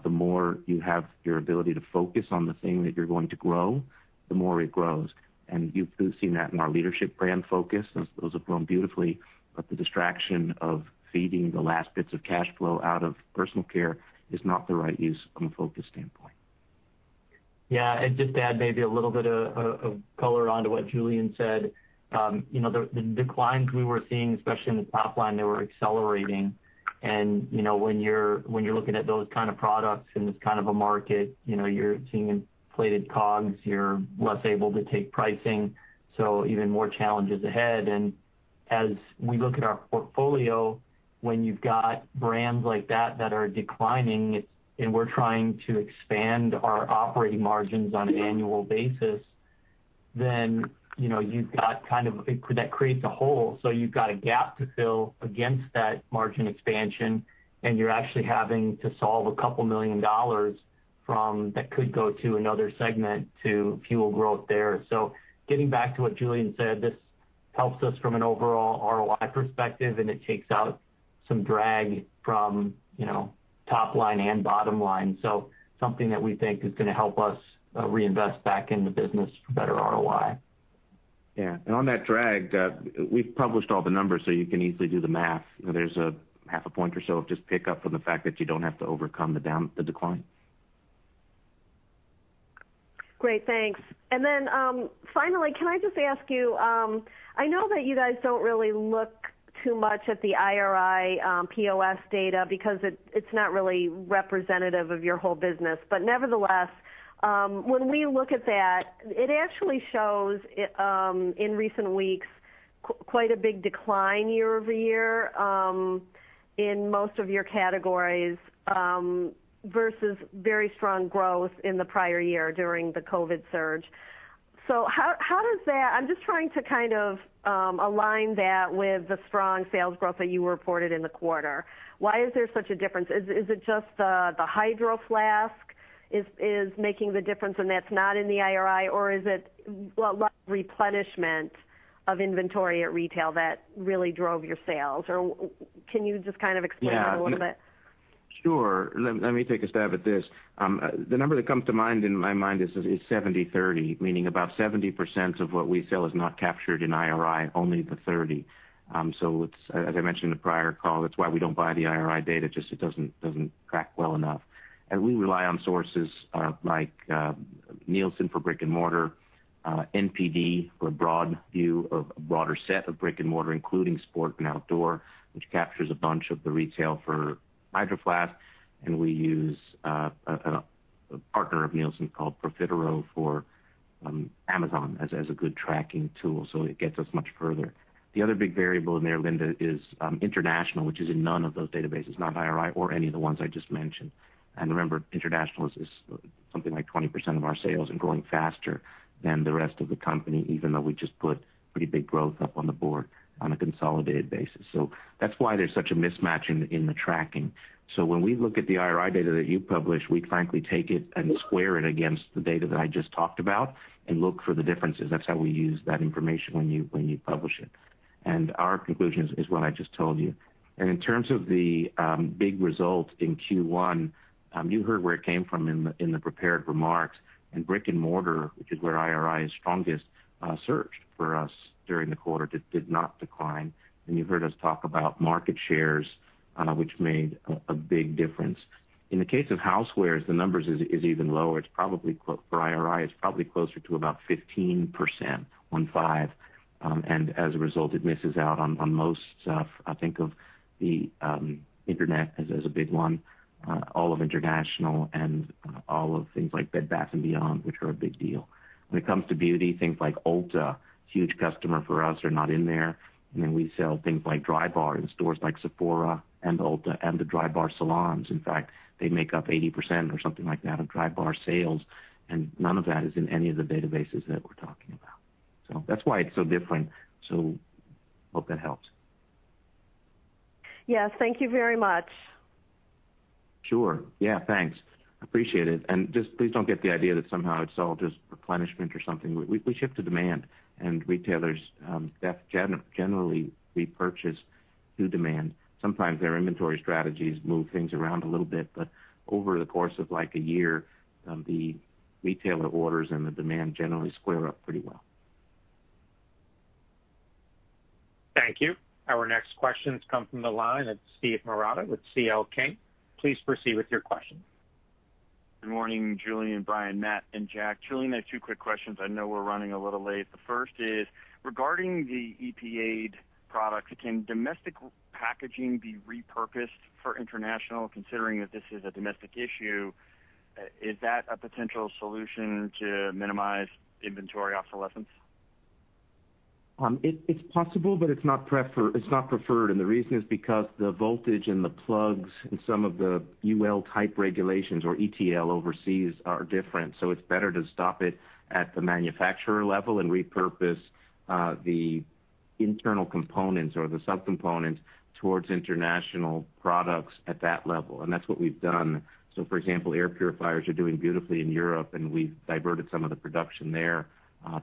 the more you have your ability to focus on the thing that you're going to grow, the more it grows. You've seen that in our leadership brand focus, since those have grown beautifully. The distraction of feeding the last bits of cash flow out of personal care is not the right use from a focus standpoint. Just to add maybe a little bit of color onto what Julien Mininberg said. The declines we were seeing, especially in the top line, they were accelerating. When you're looking at those kind of products in this kind of a market, you're seeing inflated COGS, you're less able to take pricing, so even more challenges ahead. As we look at our portfolio, when you've got brands like that that are declining, and we're trying to expand our operating margins on an annual basis, then that creates a hole. You've got a gap to fill against that margin expansion, and you're actually having to solve a couple million dollars that could go to another segment to fuel growth there. Getting back to what Julien Mininberg said, this helps us from an overall ROI perspective, and it takes out some drag from top line and bottom line. Something that we think is going to help us reinvest back in the business for better ROI. Yeah. On that drag, we've published all the numbers, so you can easily do the math. There's a half a point or so of just pick up for the fact that you don't have to overcome the decline. Great, thanks. Finally, can I just ask you, I know that you guys don't really look too much at the IRI POS data because it's not really representative of your whole business. Nevertheless, when we look at that, it actually shows, in recent weeks, quite a big decline year-over-year in most of your categories, versus very strong growth in the prior year during the COVID surge. I'm just trying to kind of align that with the strong sales growth that you reported in the quarter. Why is there such a difference? Is it just the Hydro Flask is making the difference and that's not in the IRI, or is it what replenishment of inventory at retail that really drove your sales? Can you just kind of explain a little bit? Sure. Let me take a stab at this. The number that comes to mind in my mind is 70/30, meaning about 70% of what we sell is not captured in IRI, only the 30%. As I mentioned in the prior call, it's why we don't buy the IRI data, just it doesn't track well enough. We rely on sources like Nielsen for brick and mortar, NPD for a broader set of brick and mortar, including sport and outdoor, which captures a bunch of the retail for Hydro Flask. We use a partner of Nielsen called Profitero for Amazon as a good tracking tool, so it gets us much further. The other big variable in there, Linda, is international, which is in none of those databases, not IRI or any of the ones I just mentioned. Remember, international is something like 20% of our sales and growing faster than the rest of the company, even though we just put pretty big growth up on the board on a consolidated basis. That's why there's such a mismatch in the tracking. When we look at the IRI data that you publish, we frankly take it and square it against the data that I just talked about and look for the differences. That's how we use that information when you publish it. Our conclusions is what I just told you. In terms of the big results in Q1, you heard where it came from in the prepared remarks. In brick and mortar, which is where IRI is strongest, searched for us during the quarter, just did not decline. You heard us talk about market shares, which made a big difference. In the case of housewares, the numbers is even lower. For IRI, it's probably closer to about 15%. As a result, it misses out on most stuff. I think of the internet as a big one, all of international and all of things like Bed Bath & Beyond, which are a big deal. When it comes to beauty, things like Ulta, huge customer for us, are not in there. Then we sell things like Drybar in stores like Sephora and Ulta and the Drybar salons. In fact, they make up 80% or something like that of Drybar sales. None of that is in any of the databases that we're talking about. That's why it's so different. Hope that helps. Yeah. Thank you very much. Sure. Yeah, thanks. Appreciate it. Just please don't get the idea that somehow it's all just replenishment or something. We ship to demand, and retailers, generally, they purchase to demand. Sometimes their inventory strategies move things around a little bit, but over the course of a year, the retailer orders and the demand generally square up pretty well. Thank you. Our next question comes from the line of Steve Marotta with C.L.K. Please proceed with your question. Good morning, Julien, Brian, Matt, and Jack. Julien, I have two quick questions. I know we're running a little late. The first is regarding the EPA's product, can domestic packaging be repurposed for international, considering that this is a domestic issue? Is that a potential solution to minimize inventory obsolescence? It's possible, but it's not preferred. The reason is because the voltage and the plugs and some of the UL-type regulations or ETL overseas are different. It's better to stop it at the manufacturer level and repurpose the internal components or the sub-components towards international products at that level. That's what we've done. For example, air purifiers are doing beautifully in Europe, and we've diverted some of the production there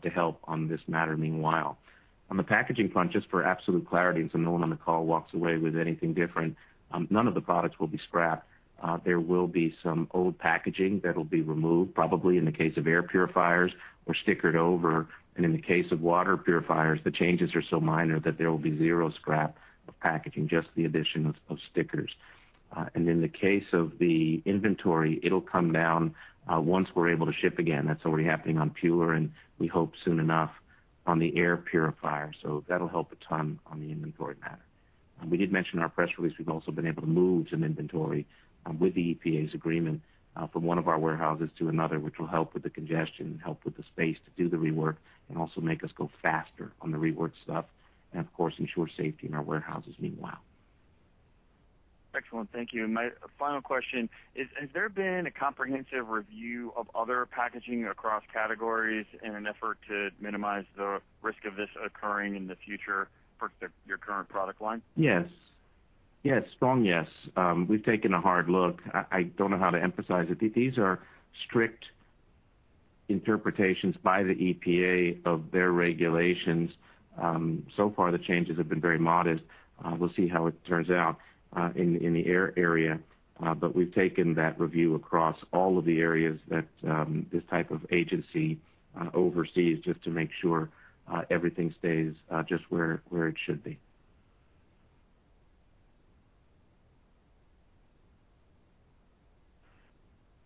to help on this matter meanwhile. On the packaging front, just for absolute clarity, so no one on the call walks away with anything different. None of the products will be scrapped. There will be some old packaging that'll be removed, probably in the case of air purifiers or stickered over. In the case of water purifiers, the changes are so minor that there will be zero scrap of packaging, just the addition of stickers. In the case of the inventory, it'll come down once we're able to ship again. That's already happening on PUR and we hope soon enough on the air purifier. That'll help a ton on the inventory matter. We did mention our press release, we've also been able to move some inventory with the EPA's agreement from one of our warehouses to another, which will help with the congestion and help with the space to do the rework and also make us go faster on the rework stuff and of course ensure safety in our warehouses meanwhile. Excellent, thank you. My final question is, has there been a comprehensive review of other packaging across categories in an effort to minimize the risk of this occurring in the future for your current product line? Yes. Strong yes. We've taken a hard look. I don't know how to emphasize it. These are strict interpretations by the EPA of their regulations. Far, the changes have been very modest. We'll see how it turns out in the air area. We've taken that review across all of the areas that this type of agency oversees just to make sure everything stays just where it should be.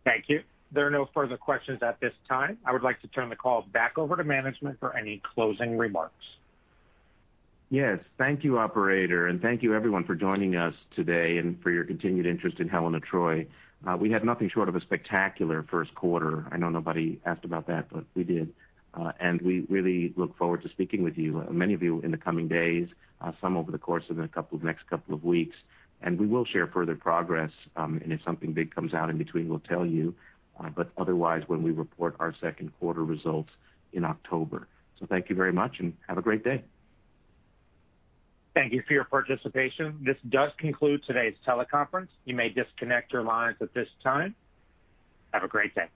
Thank you. There are no further questions at this time. I would like to turn the call back over to management for any closing remarks. Yes. Thank you, operator, and thank you everyone for joining us today and for your continued interest in Helen of Troy. We had nothing short of a spectacular first quarter. I know nobody asked about that. We did. We really look forward to speaking with you, many of you in the coming days, some over the course of the next couple of weeks. We will share further progress, and if something big comes out in between, we'll tell you. Otherwise, we will share further progress when we report our second quarter results in October. Thank you very much, and have a great day. Thank you for your participation. This does conclude today's teleconference. You may disconnect your lines at this time. Have a great day.